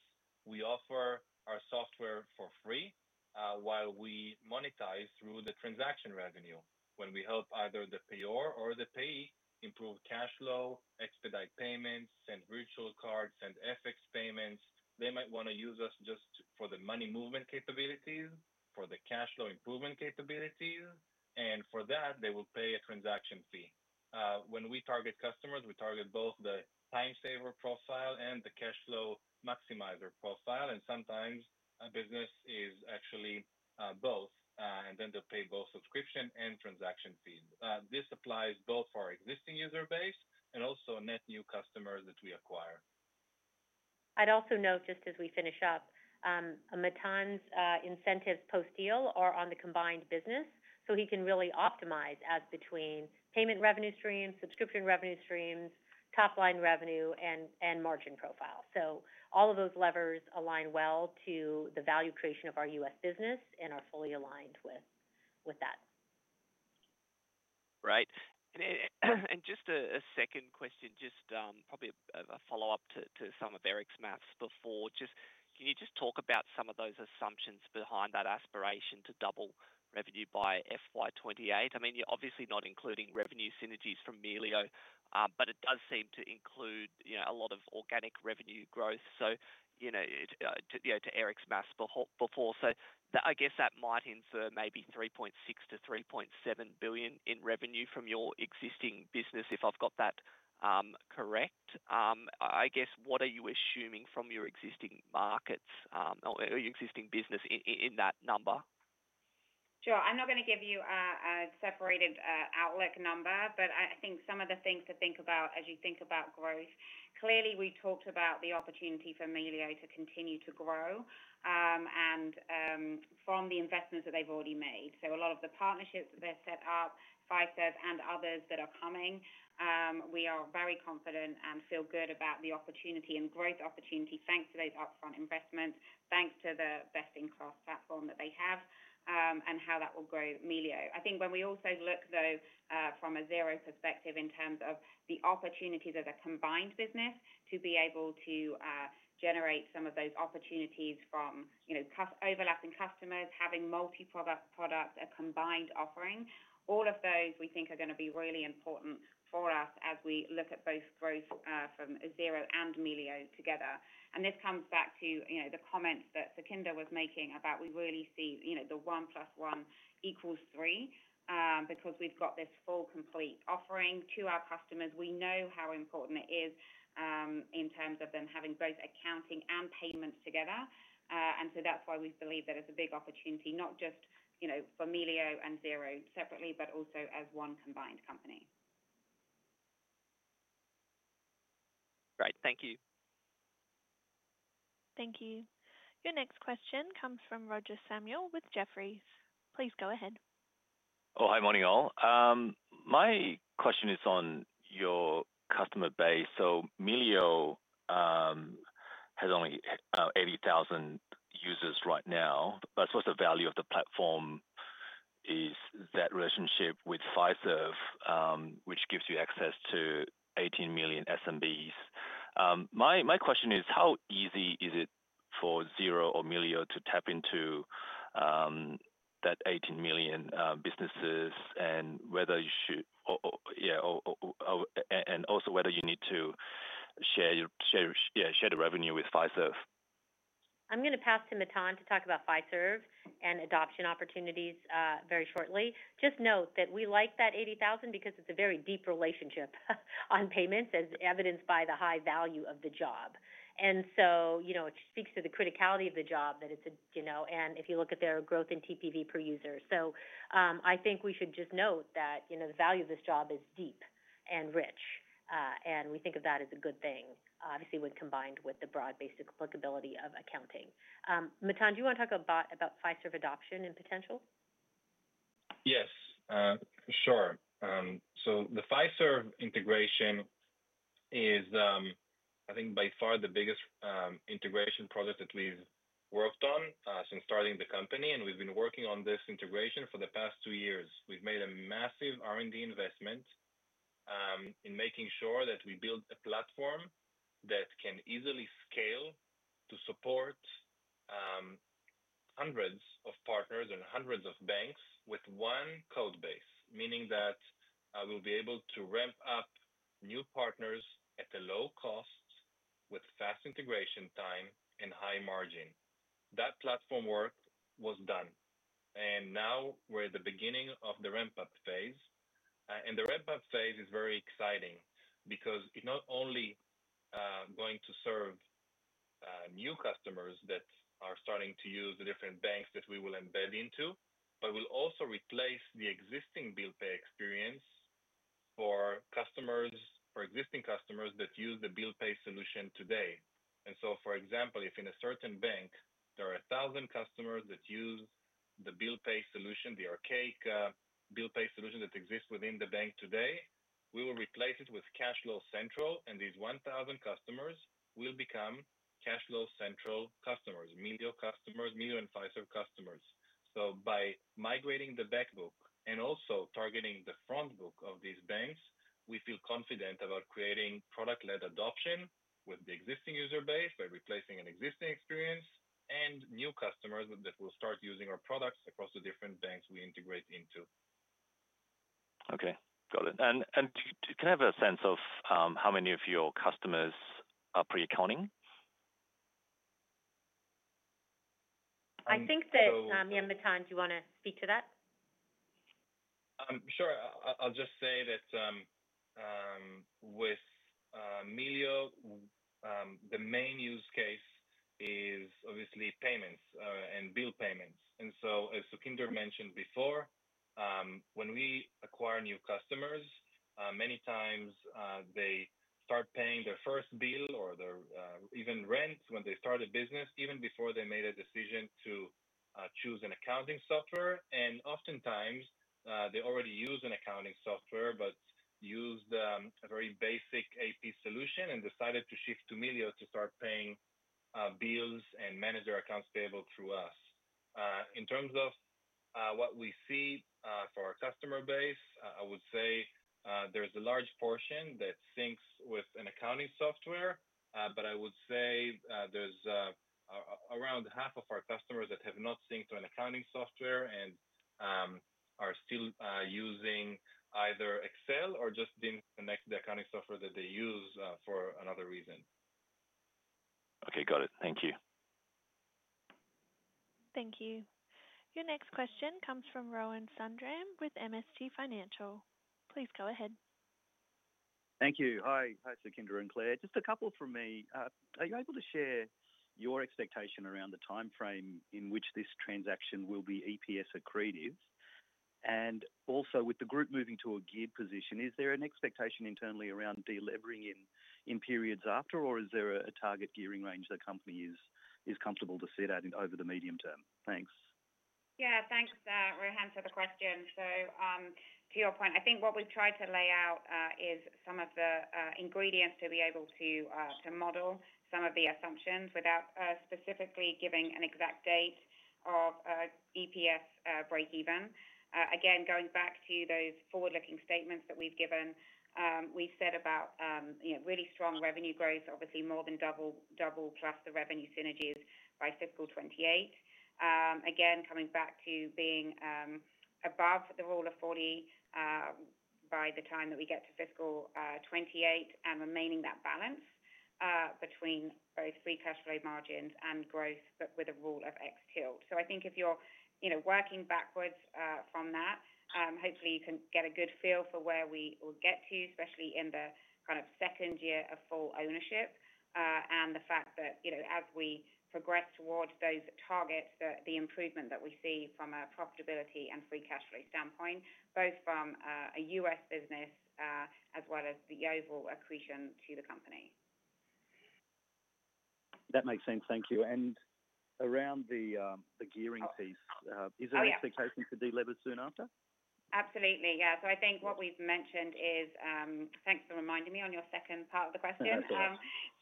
C: we offer our software for free while we monetize through the transaction revenue when we help either the payor or the payee improve cash flow, expedite payments, send virtual cards, send FX payments. They might want to use us just for the money movement capabilities, for the cash flow improvement capabilities. For that, they will pay a transaction fee. When we target customers, we target both the time-saver profile and the cash flow maximizer profile. Sometimes a business is actually both, and then they'll pay both subscription and transaction fees. This applies both for our existing user base and also net new customers that we acquire.
B: I'd also note, just as we finish up, Matan's incentives post-deal are on the combined business, so he can really optimize as between payment revenue streams, subscription revenue streams, top-line revenue, and margin profile. All of those levers align well to the value creation of our U.S. business and are fully aligned with that.
H: Right. Just a second question, probably a follow-up to some of Eric's maths before. Can you just talk about some of those assumptions behind that aspiration to double revenue by FY 2028? I mean, you're obviously not including revenue synergies from Melio, but it does seem to include a lot of organic revenue growth. To Eric's maths before, I guess that might infer maybe $3.6 billion-$3.7 billion in revenue from your existing business, if I've got that correct. I guess, what are you assuming from your existing markets or your existing business in that number?
D: Sure. I'm not going to give you a separated outlook number, but I think some of the things to think about as you think about growth, clearly we talked about the opportunity for Melio to continue to grow and from the investments that they've already made. A lot of the partnerships that they've set up, Fiserv and others that are coming, we are very confident and feel good about the opportunity and growth opportunity thanks to those upfront investments, thanks to the best-in-class platform that they have and how that will grow Melio. I think when we also look, though, from a Xero perspective in terms of the opportunities as a combined business to be able to generate some of those opportunities from overlapping customers, having multi-product products, a combined offering, all of those we think are going to be really important for us as we look at both growth from Xero and Melio together. This comes back to the comments that Sukhinder was making about we really see the 1 + 1 = 3 because we've got this full complete offering to our customers. We know how important it is in terms of them having both accounting and payments together. That is why we believe that it's a big opportunity, not just for Melio and Xero separately, but also as one combined company.
H: Right. Thank you.
A: Thank you. Your next question comes from Roger Samuel with Jefferies. Please go ahead.
I: Oh, hi, morning all. My question is on your customer base. Melio has only 80,000 users right now, but I suppose the value of the platform is that relationship with Fiserv, which gives you access to 18 million SMBs. My question is, how easy is it for Xero or Melio to tap into that 18 million businesses and whether you should, yeah, and also whether you need to share the revenue with Fiserv?
B: I'm going to pass to Matan to talk about Fiserv and adoption opportunities very shortly. Just note that we like that 80,000 because it's a very deep relationship on payments, as evidenced by the high value of the job. It speaks to the criticality of the job that it's a, and if you look at their growth in TPV per user. I think we should just note that the value of this job is deep and rich, and we think of that as a good thing, obviously when combined with the broad-based applicability of accounting. Matan, do you want to talk about Fiserv adoption and potential?
C: Yes, for sure. The Fiserv integration is, I think, by far the biggest integration project that we've worked on since starting the company, and we've been working on this integration for the past two years. We've made a massive R&D investment in making sure that we build a platform that can easily scale to support hundreds of partners and hundreds of banks with one code base, meaning that we'll be able to ramp up new partners at a low cost with fast integration time and high margin. That platform work was done, and now we're at the beginning of the ramp-up phase. The ramp-up phase is very exciting because it's not only going to serve new customers that are starting to use the different banks that we will embed into, but we'll also replace the existing bill pay experience for existing customers that use the bill pay solution today. For example, if in a certain bank, there are 1,000 customers that use the bill pay solution, the archaic bill pay solution that exists within the bank today, we will replace it with CashFlow Central, and these 1,000 customers will become CashFlow Central customers, Melio customers, Melio and Fiserv customers. By migrating the back book and also targeting the front book of these banks, we feel confident about creating product-led adoption with the existing user base by replacing an existing experience and new customers that will start using our products across the different banks we integrate into.
I: Okay. Got it. Can I have a sense of how many of your customers are pre-accounting?
B: I think that, yeah, Matan, do you want to speak to that?
C: Sure. I'll just say that with Melio, the main use case is obviously payments and bill payments. As Sukhinder mentioned before, when we acquire new customers, many times they start paying their first bill or even their rent when they start a business, even before they made a decision to choose an accounting software. Oftentimes, they already use an accounting software but used a very basic AP solution and decided to shift to Melio to start paying bills and manage their accounts payable through us. In terms of what we see for our customer base, I would say there's a large portion that syncs with an accounting software, but I would say there's around half of our customers that have not synced to an accounting software and are still using either Excel or just didn't connect the accounting software that they use for another reason.
I: Okay. Got it. Thank you.
A: Thank you. Your next question comes from Rohan Sundram with MST Financial. Please go ahead.
J: Thank you. Hi, Sukhinder and Claire. Just a couple from me. Are you able to share your expectation around the timeframe in which this transaction will be EPS accretive? And also, with the group moving to a geared position, is there an expectation internally around delivering in periods after, or is there a target gearing range the company is comfortable to sit at over the medium term? Thanks.
B: Yeah.
D: Thanks, Rohan, for the question. To your point, I think what we've tried to lay out is some of the ingredients to be able to model some of the assumptions without specifically giving an exact date of EPS break-even. Again, going back to those forward-looking statements that we've given, we said about really strong revenue growth, obviously more than double plus the revenue synergies by fiscal 2028. Again, coming back to being above the rule of 40 by the time that we get to fiscal 2028 and remaining that balance between both free cash flow margins and growth, but with a rule of X tilt. I think if you're working backwards from that, hopefully you can get a good feel for where we will get to, especially in the kind of second year of full ownership and the fact that as we progress towards those targets, the improvement that we see from a profitability and free cash flow standpoint, both from a U.S. business as well as the overall accretion to the company.
J: That makes sense. Thank you. Around the gearing piece, is there an expectation to deliver soon after?
B: Absolutely. Yeah. I think what we've mentioned is thanks for reminding me on your second part of the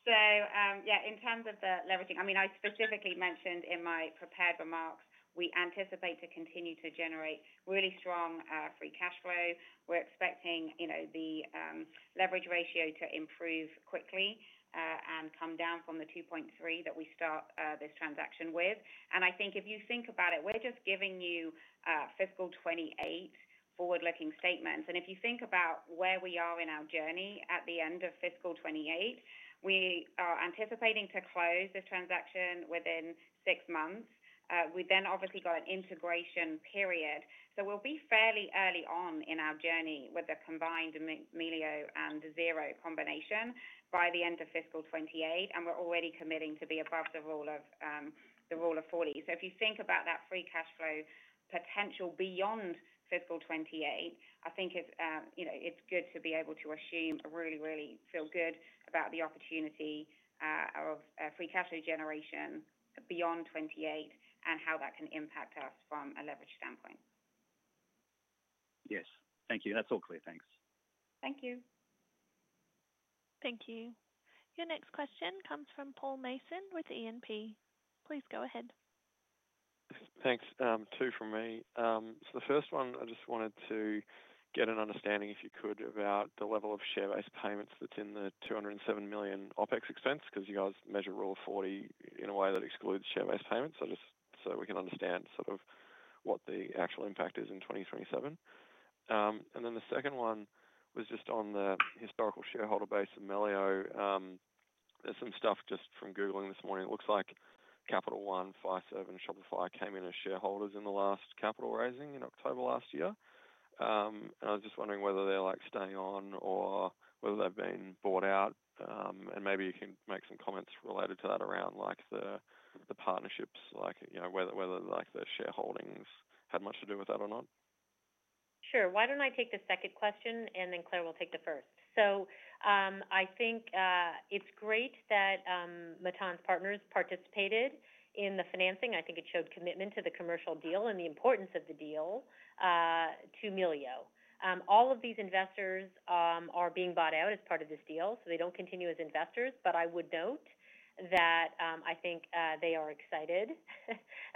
B: question. Yeah, in terms of the leveraging, I specifically mentioned in my prepared remarks, we anticipate to continue to generate really strong free cash flow. We're expecting the leverage ratio to improve quickly and come down from the 2.3 that we start this transaction with. I think if you think about it, we're just giving you fiscal 2028 forward-looking statements. If you think about where we are in our journey at the end of fiscal 2028, we are anticipating to close this transaction within six months. We then obviously got an integration period. We'll be fairly early on in our journey with the combined Melio and Xero combination by the end of fiscal 2028, and we're already committing to be above the rule of 40. If you think about that free cash flow potential beyond fiscal 2028, I think it's good to be able to assume or really, really feel good about the opportunity of free cash flow generation beyond 2028 and how that can impact us from a leverage standpoint.
J: Yes. Thank you. That's all clear. Thanks.
B: Thank you.
A: Thank you. Your next question comes from Paul Mason with E&P. Please go ahead.
K: Thanks. Two from me. The first one, I just wanted to get an understanding, if you could, about the level of share-based payments that's in the $207 million OpEx expense because you guys measure rule of 40 in a way that excludes share-based payments, so we can understand sort of what the actual impact is in 2027. The second one was just on the historical shareholder base of Melio. There's some stuff just from Googling this morning. It looks like Capital One, Fiserv, and Shopify came in as shareholders in the last capital raising in October last year. I was just wondering whether they're staying on or whether they've been bought out. Maybe you can make some comments related to that around the partnerships, whether the shareholdings had much to do with that or not.
B: Sure. Why don't I take the second question, and then Claire will take the first? I think it's great that Matan's partners participated in the financing. I think it showed commitment to the commercial deal and the importance of the deal to Melio. All of these investors are being bought out as part of this deal, so they don't continue as investors, but I would note that I think they are excited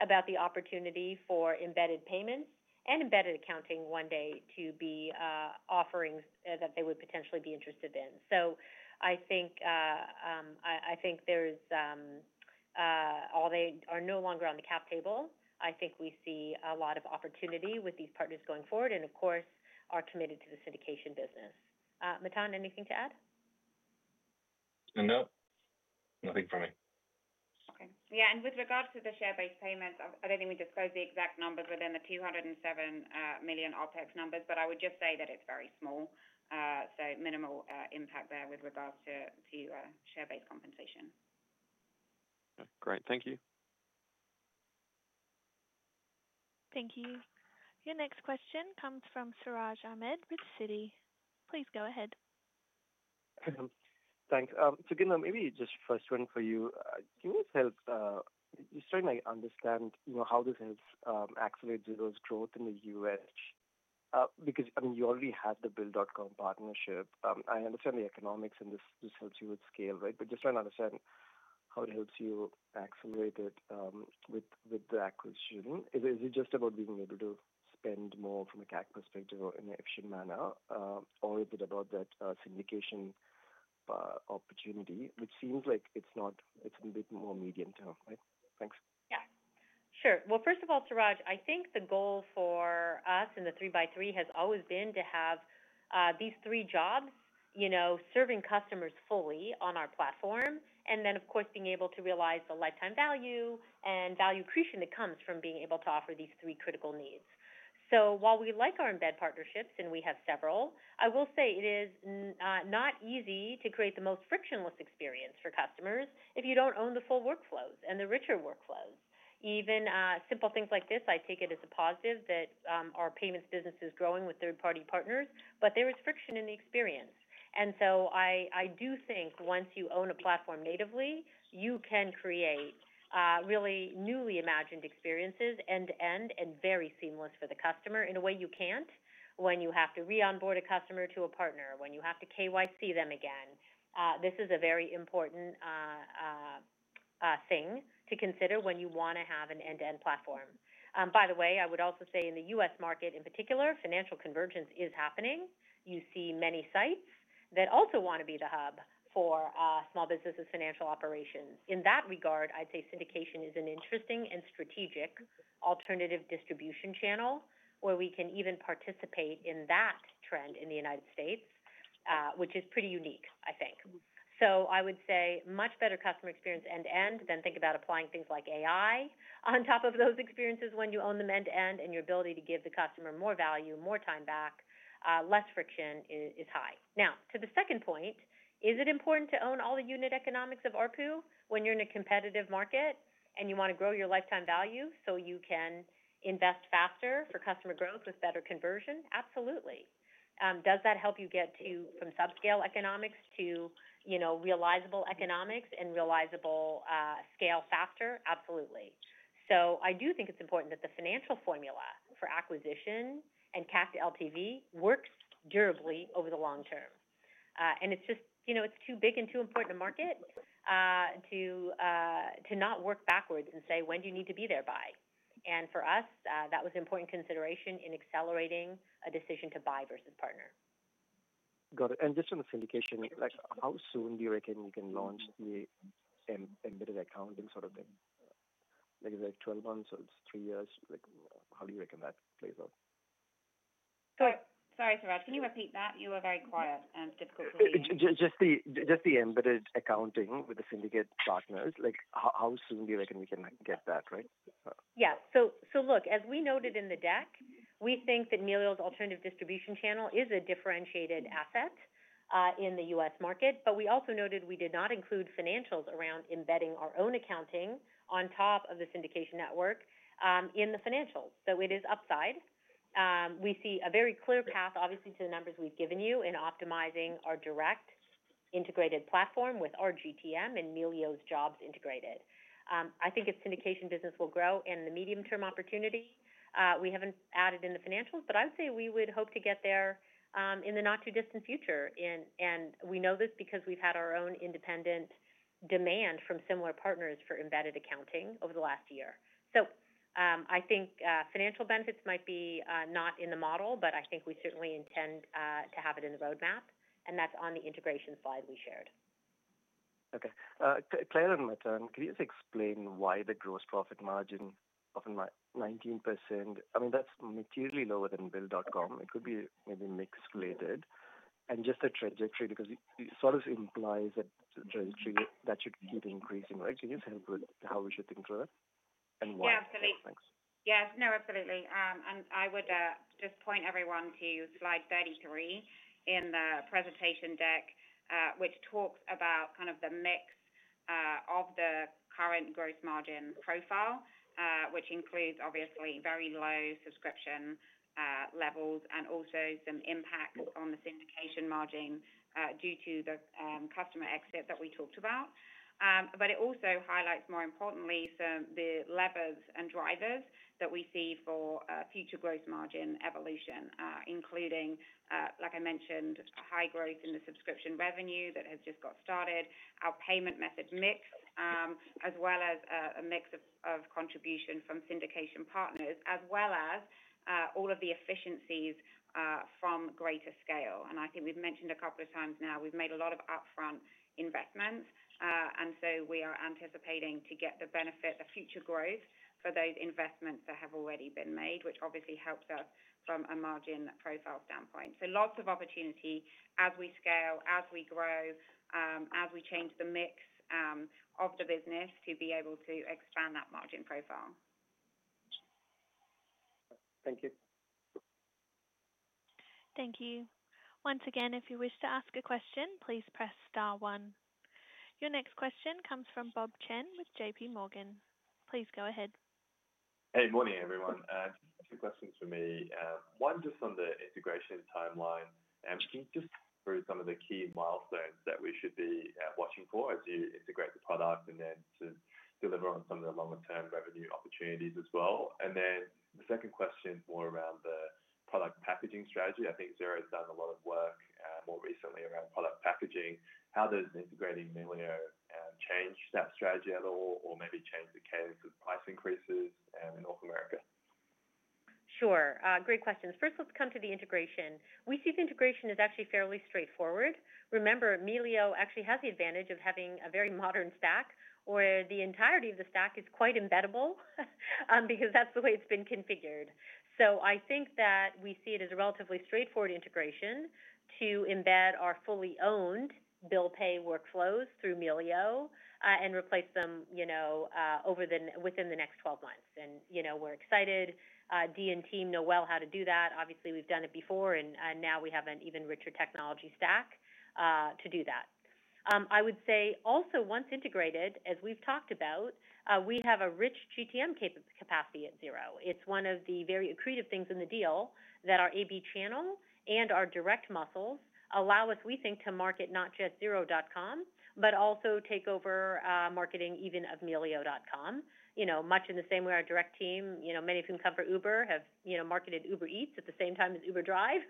B: about the opportunity for embedded payments and embedded accounting one day to be offerings that they would potentially be interested in. I think as they are no longer on the cap table. I think we see a lot of opportunity with these partners going forward and, of course, are committed to the syndication business. Matan, anything to add?
C: No. Nothing from me.
B: Okay.
D: Yeah. And with regards to the share-based payments, I do not think we disclosed the exact numbers within the $207 million OpEx numbers, but I would just say that it is very small, so minimal impact there with regards to share-based compensation.
K: Okay. Great. Thank you.
A: Thank you. Your next question comes from Siraj Ahmed with Citi. Please go ahead.
L: Thanks. Sukhinder, maybe just first one for you. Can you tell us, just trying to understand how this has actually those growth in the U.S. because, I mean, you already had the Bill.com partnership. I understand the economics, and this helps you with scale, right? Just trying to understand how it helps you accelerate it with the acquisition. Is it just about being able to spend more from a CAC perspective or in an efficient manner, or is it about that syndication opportunity, which seems like it's a bit more medium term, right? Thanks.
B: Yeah. Sure. First of all, Siraj, I think the goal for us and the 3x3 has always been to have these three jobs serving customers fully on our platform, and then, of course, being able to realize the lifetime value and value accretion that comes from being able to offer these three critical needs. While we like our embedded partnerships, and we have several, I will say it is not easy to create the most frictionless experience for customers if you do not own the full workflows and the richer workflows. Even simple things like this, I take it as a positive that our payments business is growing with third-party partners, but there is friction in the experience. I do think once you own a platform natively, you can create really newly imagined experiences end-to-end and very seamless for the customer in a way you can't when you have to re-onboard a customer to a partner, when you have to KYC them again. This is a very important thing to consider when you want to have an end-to-end platform. By the way, I would also say in the U.S. market in particular, financial convergence is happening. You see many sites that also want to be the hub for small businesses' financial operations. In that regard, I'd say syndication is an interesting and strategic alternative distribution channel where we can even participate in that trend in the United States, which is pretty unique, I think. I would say much better customer experience end-to-end than think about applying things like AI on top of those experiences when you own them end-to-end and your ability to give the customer more value, more time back, less friction is high. Now, to the second point, is it important to own all the unit economics of ARPU when you're in a competitive market and you want to grow your lifetime value so you can invest faster for customer growth with better conversion? Absolutely. Does that help you get from subscale economics to realizable economics and realizable scale faster? Absolutely. I do think it's important that the financial formula for acquisition and CAC to LTV works durably over the long term. It's just too big and too important a market to not work backwards and say, "When do you need to be there by?" For us, that was an important consideration in accelerating a decision to buy versus partner.
L: Got it. Just on the syndication, how soon do you reckon you can launch the embedded accounting sort of thing? Is it 12 months or it's three years? How do you reckon that plays out?
B: Sorry, Suraj. Can you repeat that? You were very quiet and difficult to hear.
L: Just the embedded accounting with the syndicate partners, how soon do you reckon we can get that, right?
B: Yeah. Look, as we noted in the deck, we think that Melio's alternative distribution channel is a differentiated asset in the U.S. market. We also noted we did not include financials around embedding our own accounting on top of the syndication network in the financials. It is upside. We see a very clear path, obviously, to the numbers we've given you in optimizing our direct integrated platform with our GTM and Melio's jobs integrated. I think its syndication business will grow in the medium-term opportunity. We haven't added in the financials, but I would say we would hope to get there in the not-too-distant future. We know this because we've had our own independent demand from similar partners for embedded accounting over the last year. I think financial benefits might be not in the model, but I think we certainly intend to have it in the roadmap, and that's on the integration slide we shared.
L: Okay. Claire and Matan, could you just explain why the gross profit margin of 19%? I mean, that's materially lower than Bill.com. It could be maybe mix related. And just the trajectory, because it sort of implies that trajectory that should keep increasing, right? Can you just help with how we should think through it and why?
D: Yeah. Absolutely. Thanks. Yeah. No, absolutely. I would just point everyone to slide 33 in the presentation deck, which talks about kind of the mix of the current gross margin profile, which includes, obviously, very low subscription levels and also some impact on the syndication margin due to the customer exit that we talked about. It also highlights, more importantly, the levers and drivers that we see for future gross margin evolution, including, like I mentioned, high growth in the subscription revenue that has just got started, our payment method mix, as well as a mix of contribution from syndication partners, as well as all of the efficiencies from greater scale. I think we've mentioned a couple of times now, we've made a lot of upfront investments, and we are anticipating to get the benefit, the future growth for those investments that have already been made, which obviously helps us from a margin profile standpoint. Lots of opportunity as we scale, as we grow, as we change the mix of the business to be able to expand that margin profile.
L: Thank you.
A: Thank you. Once again, if you wish to ask a question, please press star one. Your next question comes from Bob Chen with JPMorgan. Please go ahead.
M: Hey, morning, everyone. Two questions for me. One, just on the integration timeline. Can you just go through some of the key milestones that we should be watching for as you integrate the product and then to deliver on some of the longer-term revenue opportunities as well? The second question is more around the product packaging strategy. I think Xero has done a lot of work more recently around product packaging. How does integrating Melio change that strategy at all or maybe change the cadence of price increases in North America?
B: Sure. Great questions. First, let's come to the integration. We see the integration is actually fairly straightforward. Remember, Melio actually has the advantage of having a very modern stack where the entirety of the stack is quite embeddable because that's the way it's been configured. I think that we see it as a relatively straightforward integration to embed our fully owned bill pay workflows through Melio and replace them within the next 12 months. We are excited. D&T know well how to do that. Obviously, we have done it before, and now we have an even richer technology stack to do that. I would say also, once integrated, as we have talked about, we have a rich GTM capacity at Xero. It is one of the very accretive things in the deal that our AB channel and our direct muscles allow us, we think, to market not just xero.com, but also take over marketing even of melio.com, much in the same way our direct team, many of whom come from Uber, have marketed Uber Eats at the same time as Uber Drive.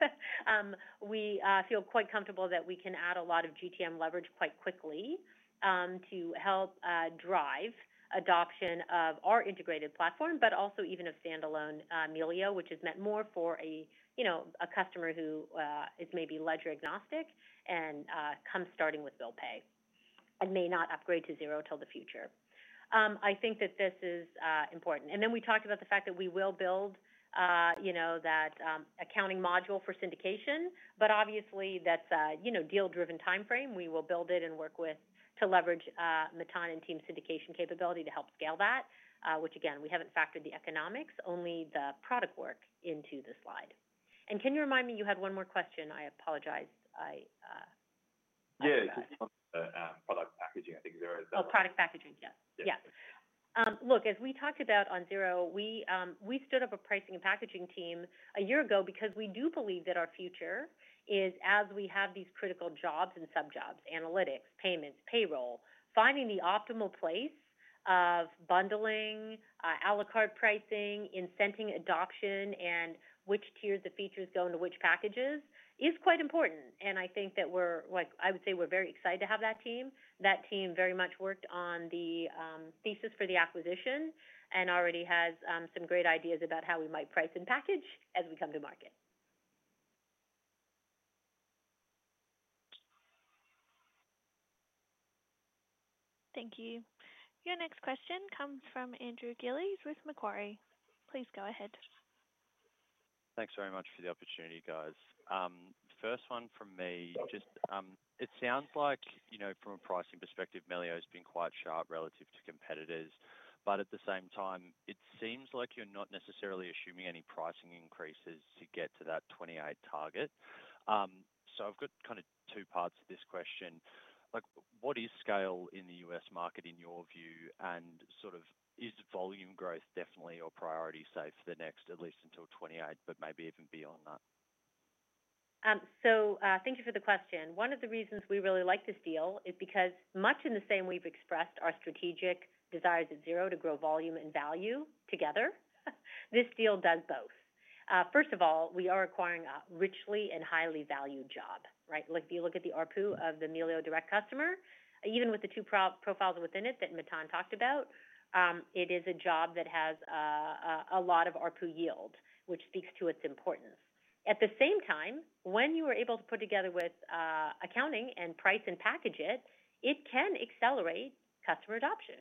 B: We feel quite comfortable that we can add a lot of GTM leverage quite quickly to help drive adoption of our integrated platform, but also even of standalone Melio, which is meant more for a customer who is maybe ledger agnostic and comes starting with bill pay and may not upgrade to Xero till the future. I think that this is important. We talked about the fact that we will build that accounting module for syndication, but obviously, that is a deal-driven timeframe. We will build it and work with to leverage Matan and team syndication capability to help scale that, which, again, we have not factored the economics, only the product work into the slide. Can you remind me you had one more question? I apologize.
M: Yeah. Just on the product packaging, I think Xero is that.
B: Oh, product packaging. Yeah.
M: Yeah.
B: Look, as we talked about on Xero, we stood up a pricing and packaging team a year ago because we do believe that our future is, as we have these critical jobs and sub-jobs, analytics, payments, payroll, finding the optimal place of bundling, à la carte pricing, incenting adoption, and which tiers of features go into which packages is quite important. I think that we're like, I would say we're very excited to have that team. That team very much worked on the thesis for the acquisition and already has some great ideas about how we might price and package as we come to market.
A: Thank you. Your next question comes from Andrew Gillies with Macquarie. Please go ahead.
N: Thanks very much for the opportunity, guys. First one from me. It sounds like, from a pricing perspective, Melio has been quite sharp relative to competitors, but at the same time, it seems like you're not necessarily assuming any pricing increases to get to that 28 target. I've got kind of two parts to this question. What is scale in the U.S. market, in your view, and sort of is volume growth definitely your priority, say, for the next, at least until 28, but maybe even beyond that?
B: Thank you for the question. One of the reasons we really like this deal is because, much in the same way we've expressed our strategic desires at Xero to grow volume and value together, this deal does both. First of all, we are acquiring a richly and highly valued job, right? If you look at the ARPU of the Melio direct customer, even with the two profiles within it that Matan talked about, it is a job that has a lot of ARPU yield, which speaks to its importance. At the same time, when you are able to put together with accounting and price and package it, it can accelerate customer adoption.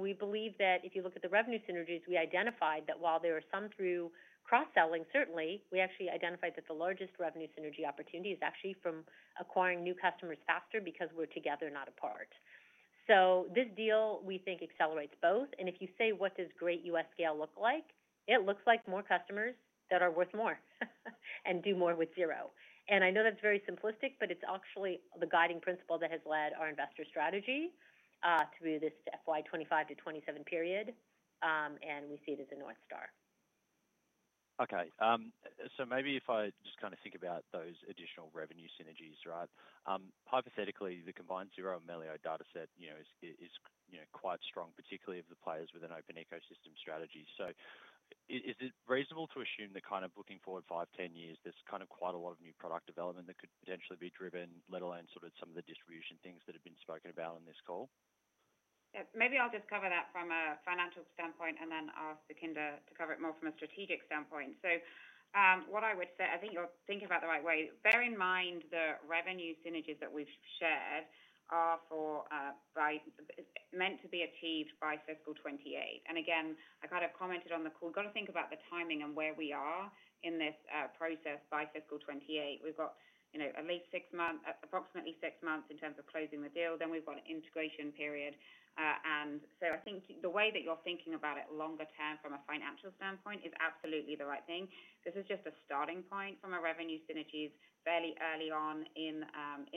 B: We believe that if you look at the revenue synergies, we identified that while there are some through cross-selling, certainly, we actually identified that the largest revenue synergy opportunity is actually from acquiring new customers faster because we are together, not apart. This deal, we think, accelerates both. If you say, "What does great U.S. scale look like?" It looks like more customers that are worth more and do more with Xero. I know that's very simplistic, but it's actually the guiding principle that has led our investor strategy through this FY 2025 to 2027 period, and we see it as a North Star.
N: Okay. Maybe if I just kind of think about those additional revenue synergies, right? Hypothetically, the combined Xero and Melio dataset is quite strong, particularly of the players with an open ecosystem strategy. Is it reasonable to assume that kind of looking forward 5, 10 years, there's quite a lot of new product development that could potentially be driven, let alone some of the distribution things that have been spoken about on this call?
D: Maybe I'll just cover that from a financial standpoint and then ask Sukhinder to cover it more from a strategic standpoint. What I would say, I think you're thinking about it the right way. Bear in mind the revenue synergies that we've shared are meant to be achieved by fiscal 2028. Again, I kind of commented on the call. We've got to think about the timing and where we are in this process by fiscal 2028. We've got at least approximately six months in terms of closing the deal. Then we've got an integration period. I think the way that you're thinking about it longer term from a financial standpoint is absolutely the right thing. This is just a starting point from a revenue synergy fairly early on in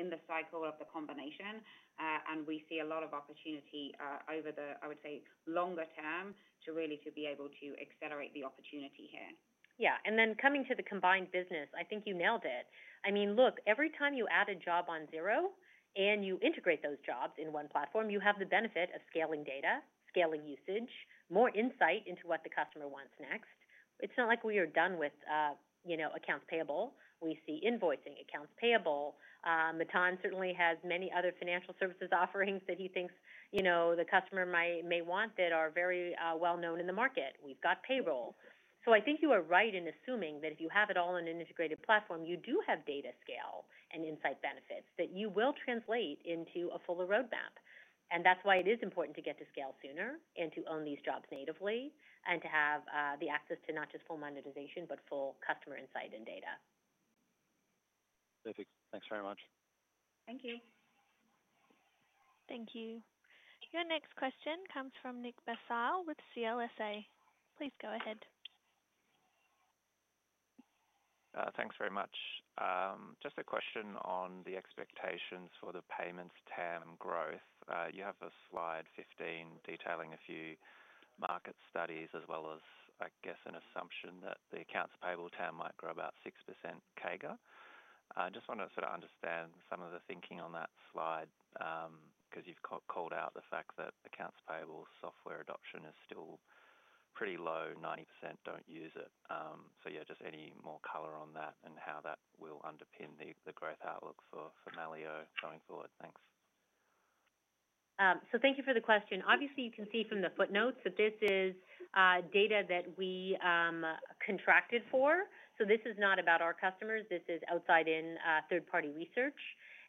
D: the cycle of the combination, and we see a lot of opportunity over the, I would say, longer term to really be able to accelerate the opportunity here.
B: Yeah. Then coming to the combined business, I think you nailed it. I mean, look, every time you add a job on Xero and you integrate those jobs in one platform, you have the benefit of scaling data, scaling usage, more insight into what the customer wants next. It's not like we are done with accounts payable. We see invoicing, accounts payable. Matan certainly has many other financial services offerings that he thinks the customer may want that are very well known in the market. We've got payroll. I think you are right in assuming that if you have it all in an integrated platform, you do have data scale and insight benefits that you will translate into a fuller roadmap. That is why it is important to get to scale sooner and to own these jobs natively and to have the access to not just full monetization, but full customer insight and data.
N: Perfect. Thanks very much.
B: Thank you.
A: Thank you. Your next question comes from Nick Basile with CLSA. Please go ahead.
O: Thanks very much. Just a question on the expectations for the payments term growth. You have a slide 15 detailing a few market studies as well as, I guess, an assumption that the accounts payable term might grow about 6% CAGR. I just want to sort of understand some of the thinking on that slide because you've called out the fact that accounts payable software adoption is still pretty low. 90% do not use it. Yeah, just any more color on that and how that will underpin the growth outlook for Melio going forward. Thanks.
B: Thank you for the question. Obviously, you can see from the footnotes that this is data that we contracted for. This is not about our customers. This is outside-in third-party research.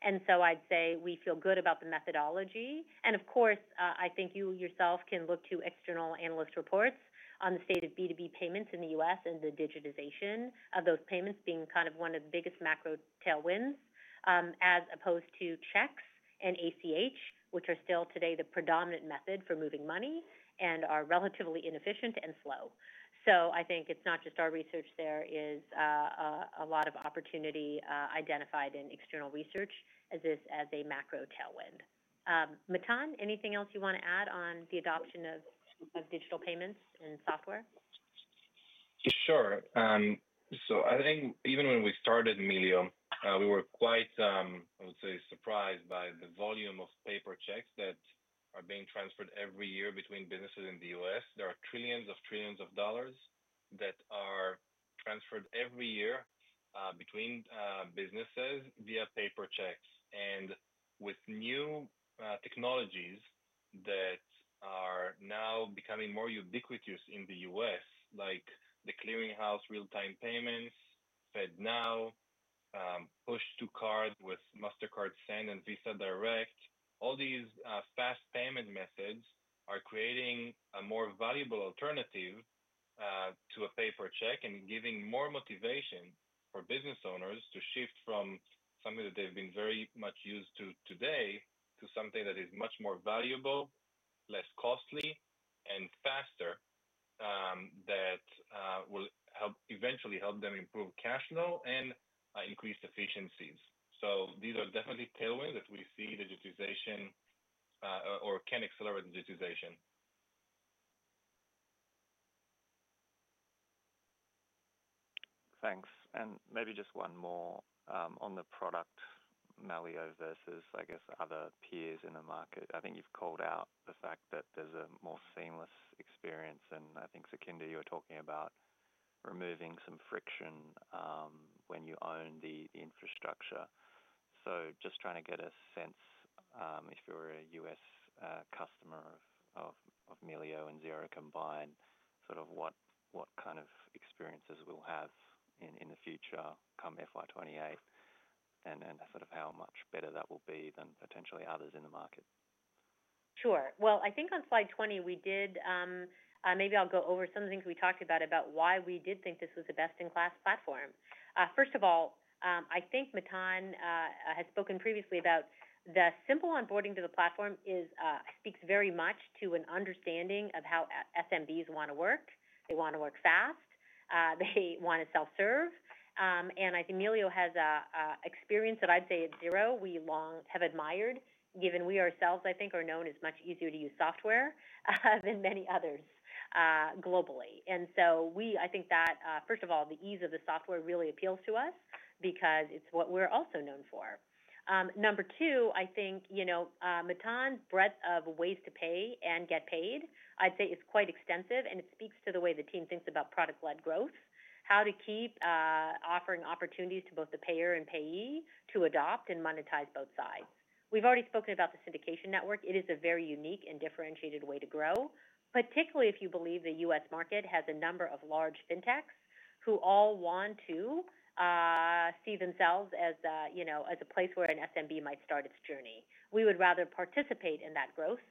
B: I would say we feel good about the methodology. Of course, I think you yourself can look to external analyst reports on the state of B2B payments in the U.S. and the digitization of those payments being kind of one of the biggest macro tailwinds as opposed to checks and ACH, which are still today the predominant method for moving money and are relatively inefficient and slow. I think it is not just our research. There is a lot of opportunity identified in external research as this as a macro tailwind. Matan, anything else you want to add on the adoption of digital payments and software?
C: Sure. I think even when we started Melio, we were quite, I would say, surprised by the volume of paper checks that are being transferred every year between businesses in the U.S. There are trillions of trillions of dollars that are transferred every year between businesses via paper checks. With new technologies that are now becoming more ubiquitous in the U.S., like the Clearinghouse Real-Time Payments, FedNow, Push to Cards with Mastercard Send and Visa Direct, all these fast payment methods are creating a more valuable alternative to a paper check and giving more motivation for business owners to shift from something that they've been very much used to today to something that is much more valuable, less costly, and faster that will eventually help them improve cash flow and increase efficiencies. These are definitely tailwinds that we see digitization or can accelerate digitization.
O: Thanks. Maybe just one more on the product Melio versus, I guess, other peers in the market. I think you've called out the fact that there's a more seamless experience. I think, Sukhinder, you were talking about removing some friction when you own the infrastructure. Just trying to get a sense if you're a U.S. customer of Melio and Xero combined, sort of what kind of experiences we'll have in the future come FY 2028 and sort of how much better that will be than potentially others in the market.
B: Sure. I think on slide 20, we did, maybe I'll go over some of the things we talked about about why we did think this was a best-in-class platform. First of all, I think Matan has spoken previously about the simple onboarding to the platform speaks very much to an understanding of how SMBs want to work. They want to work fast. They want to self-serve. I think Melio has an experience that I'd say at Xero we long have admired, given we ourselves, I think, are known as much easier to use software than many others globally. I think that, first of all, the ease of the software really appeals to us because it's what we're also known for. Number two, I think Matan's breadth of ways to pay and get paid, I'd say, is quite extensive, and it speaks to the way the team thinks about product-led growth, how to keep offering opportunities to both the payer and payee to adopt and monetize both sides. We've already spoken about the syndication network. It is a very unique and differentiated way to grow, particularly if you believe the U.S. market has a number of large fintechs who all want to see themselves as a place where an SMB might start its journey. We would rather participate in that growth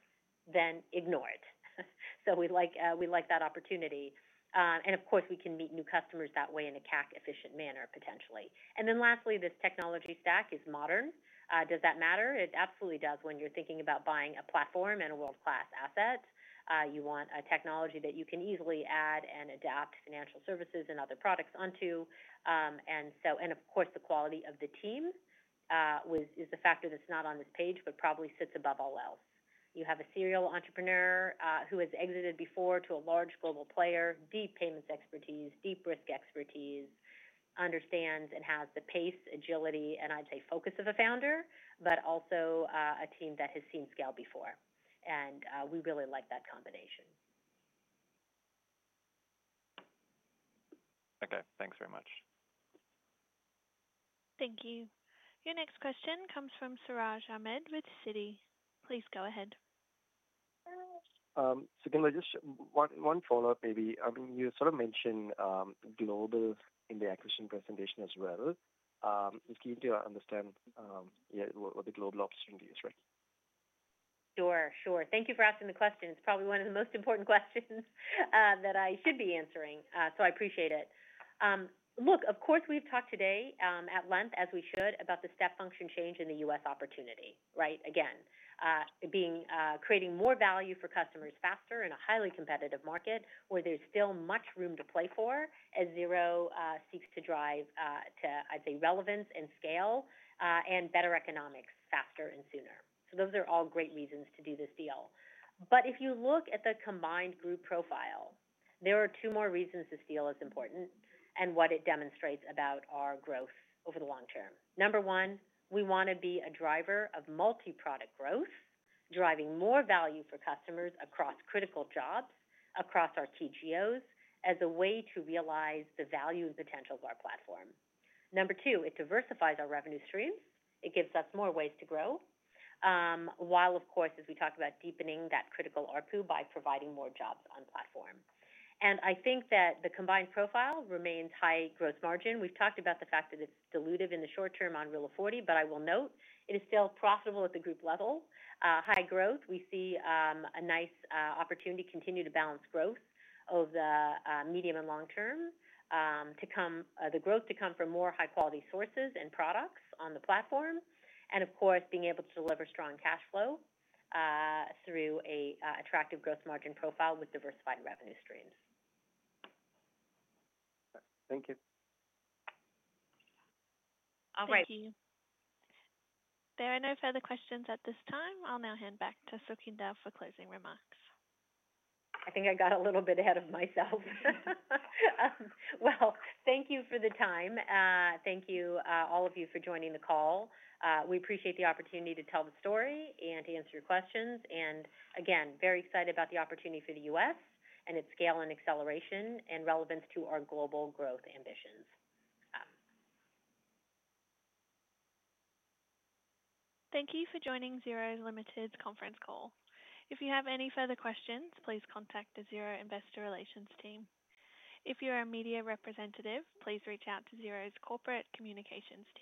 B: than ignore it. We like that opportunity. Of course, we can meet new customers that way in a CAC-efficient manner, potentially. Lastly, this technology stack is modern. Does that matter? It absolutely does when you're thinking about buying a platform and a world-class asset. You want a technology that you can easily add and adapt financial services and other products onto. Of course, the quality of the team is a factor that's not on this page, but probably sits above all else. You have a serial entrepreneur who has exited before to a large global player, deep payments expertise, deep risk expertise, understands and has the pace, agility, and I'd say focus of a founder, but also a team that has seen scale before. We really like that combination.
O: Okay. Thanks very much.
A: Thank you. Your next question comes from Siraj Ahmed with Citi. Please go ahead.
L: Sukhinder, just one follow-up maybe. I mean, you sort of mentioned global in the acquisition presentation as well. It's key to understand what the global opportunity is, right?
B: Sure. Sure. Thank you for asking the question. It's probably one of the most important questions that I should be answering. So I appreciate it. Look, of course, we've talked today at length, as we should, about the step function change in the U.S. opportunity, right? Again, creating more value for customers faster in a highly competitive market where there's still much room to play for as Xero seeks to drive to, I'd say, relevance and scale and better economics faster and sooner. Those are all great reasons to do this deal. If you look at the combined group profile, there are two more reasons this deal is important and what it demonstrates about our growth over the long term. Number one, we want to be a driver of multi-product growth, driving more value for customers across critical jobs, across our TGOs as a way to realize the value and potential of our platform. Number two, it diversifies our revenue streams. It gives us more ways to grow, while, of course, as we talk about deepening that critical ARPU by providing more jobs on platform. I think that the combined profile remains high gross margin. We have talked about the fact that it is diluted in the short term on rule of 40, but I will note it is still profitable at the group level. High growth, we see a nice opportunity to continue to balance growth over the medium and long term to come, the growth to come from more high-quality sources and products on the platform. Of course, being able to deliver strong cash flow through an attractive gross margin profile with diversified revenue streams.
L: Thank you.
B: All right.
A: Thank you. There are no further questions at this time. I'll now hand back to Sukhinder for closing remarks. I think I got a little bit ahead of myself. Thank you for the time. Thank you, all of you, for joining the call. We appreciate the opportunity to tell the story and to answer your questions. Again, very excited about the opportunity for the U.S. and its scale and acceleration and relevance to our global growth ambitions. Thank you for joining Xero Ltd's conference call. If you have any further questions, please contact the Xero Investor Relations team. If you're a media representative, please reach out to Xero's Corporate Communications team.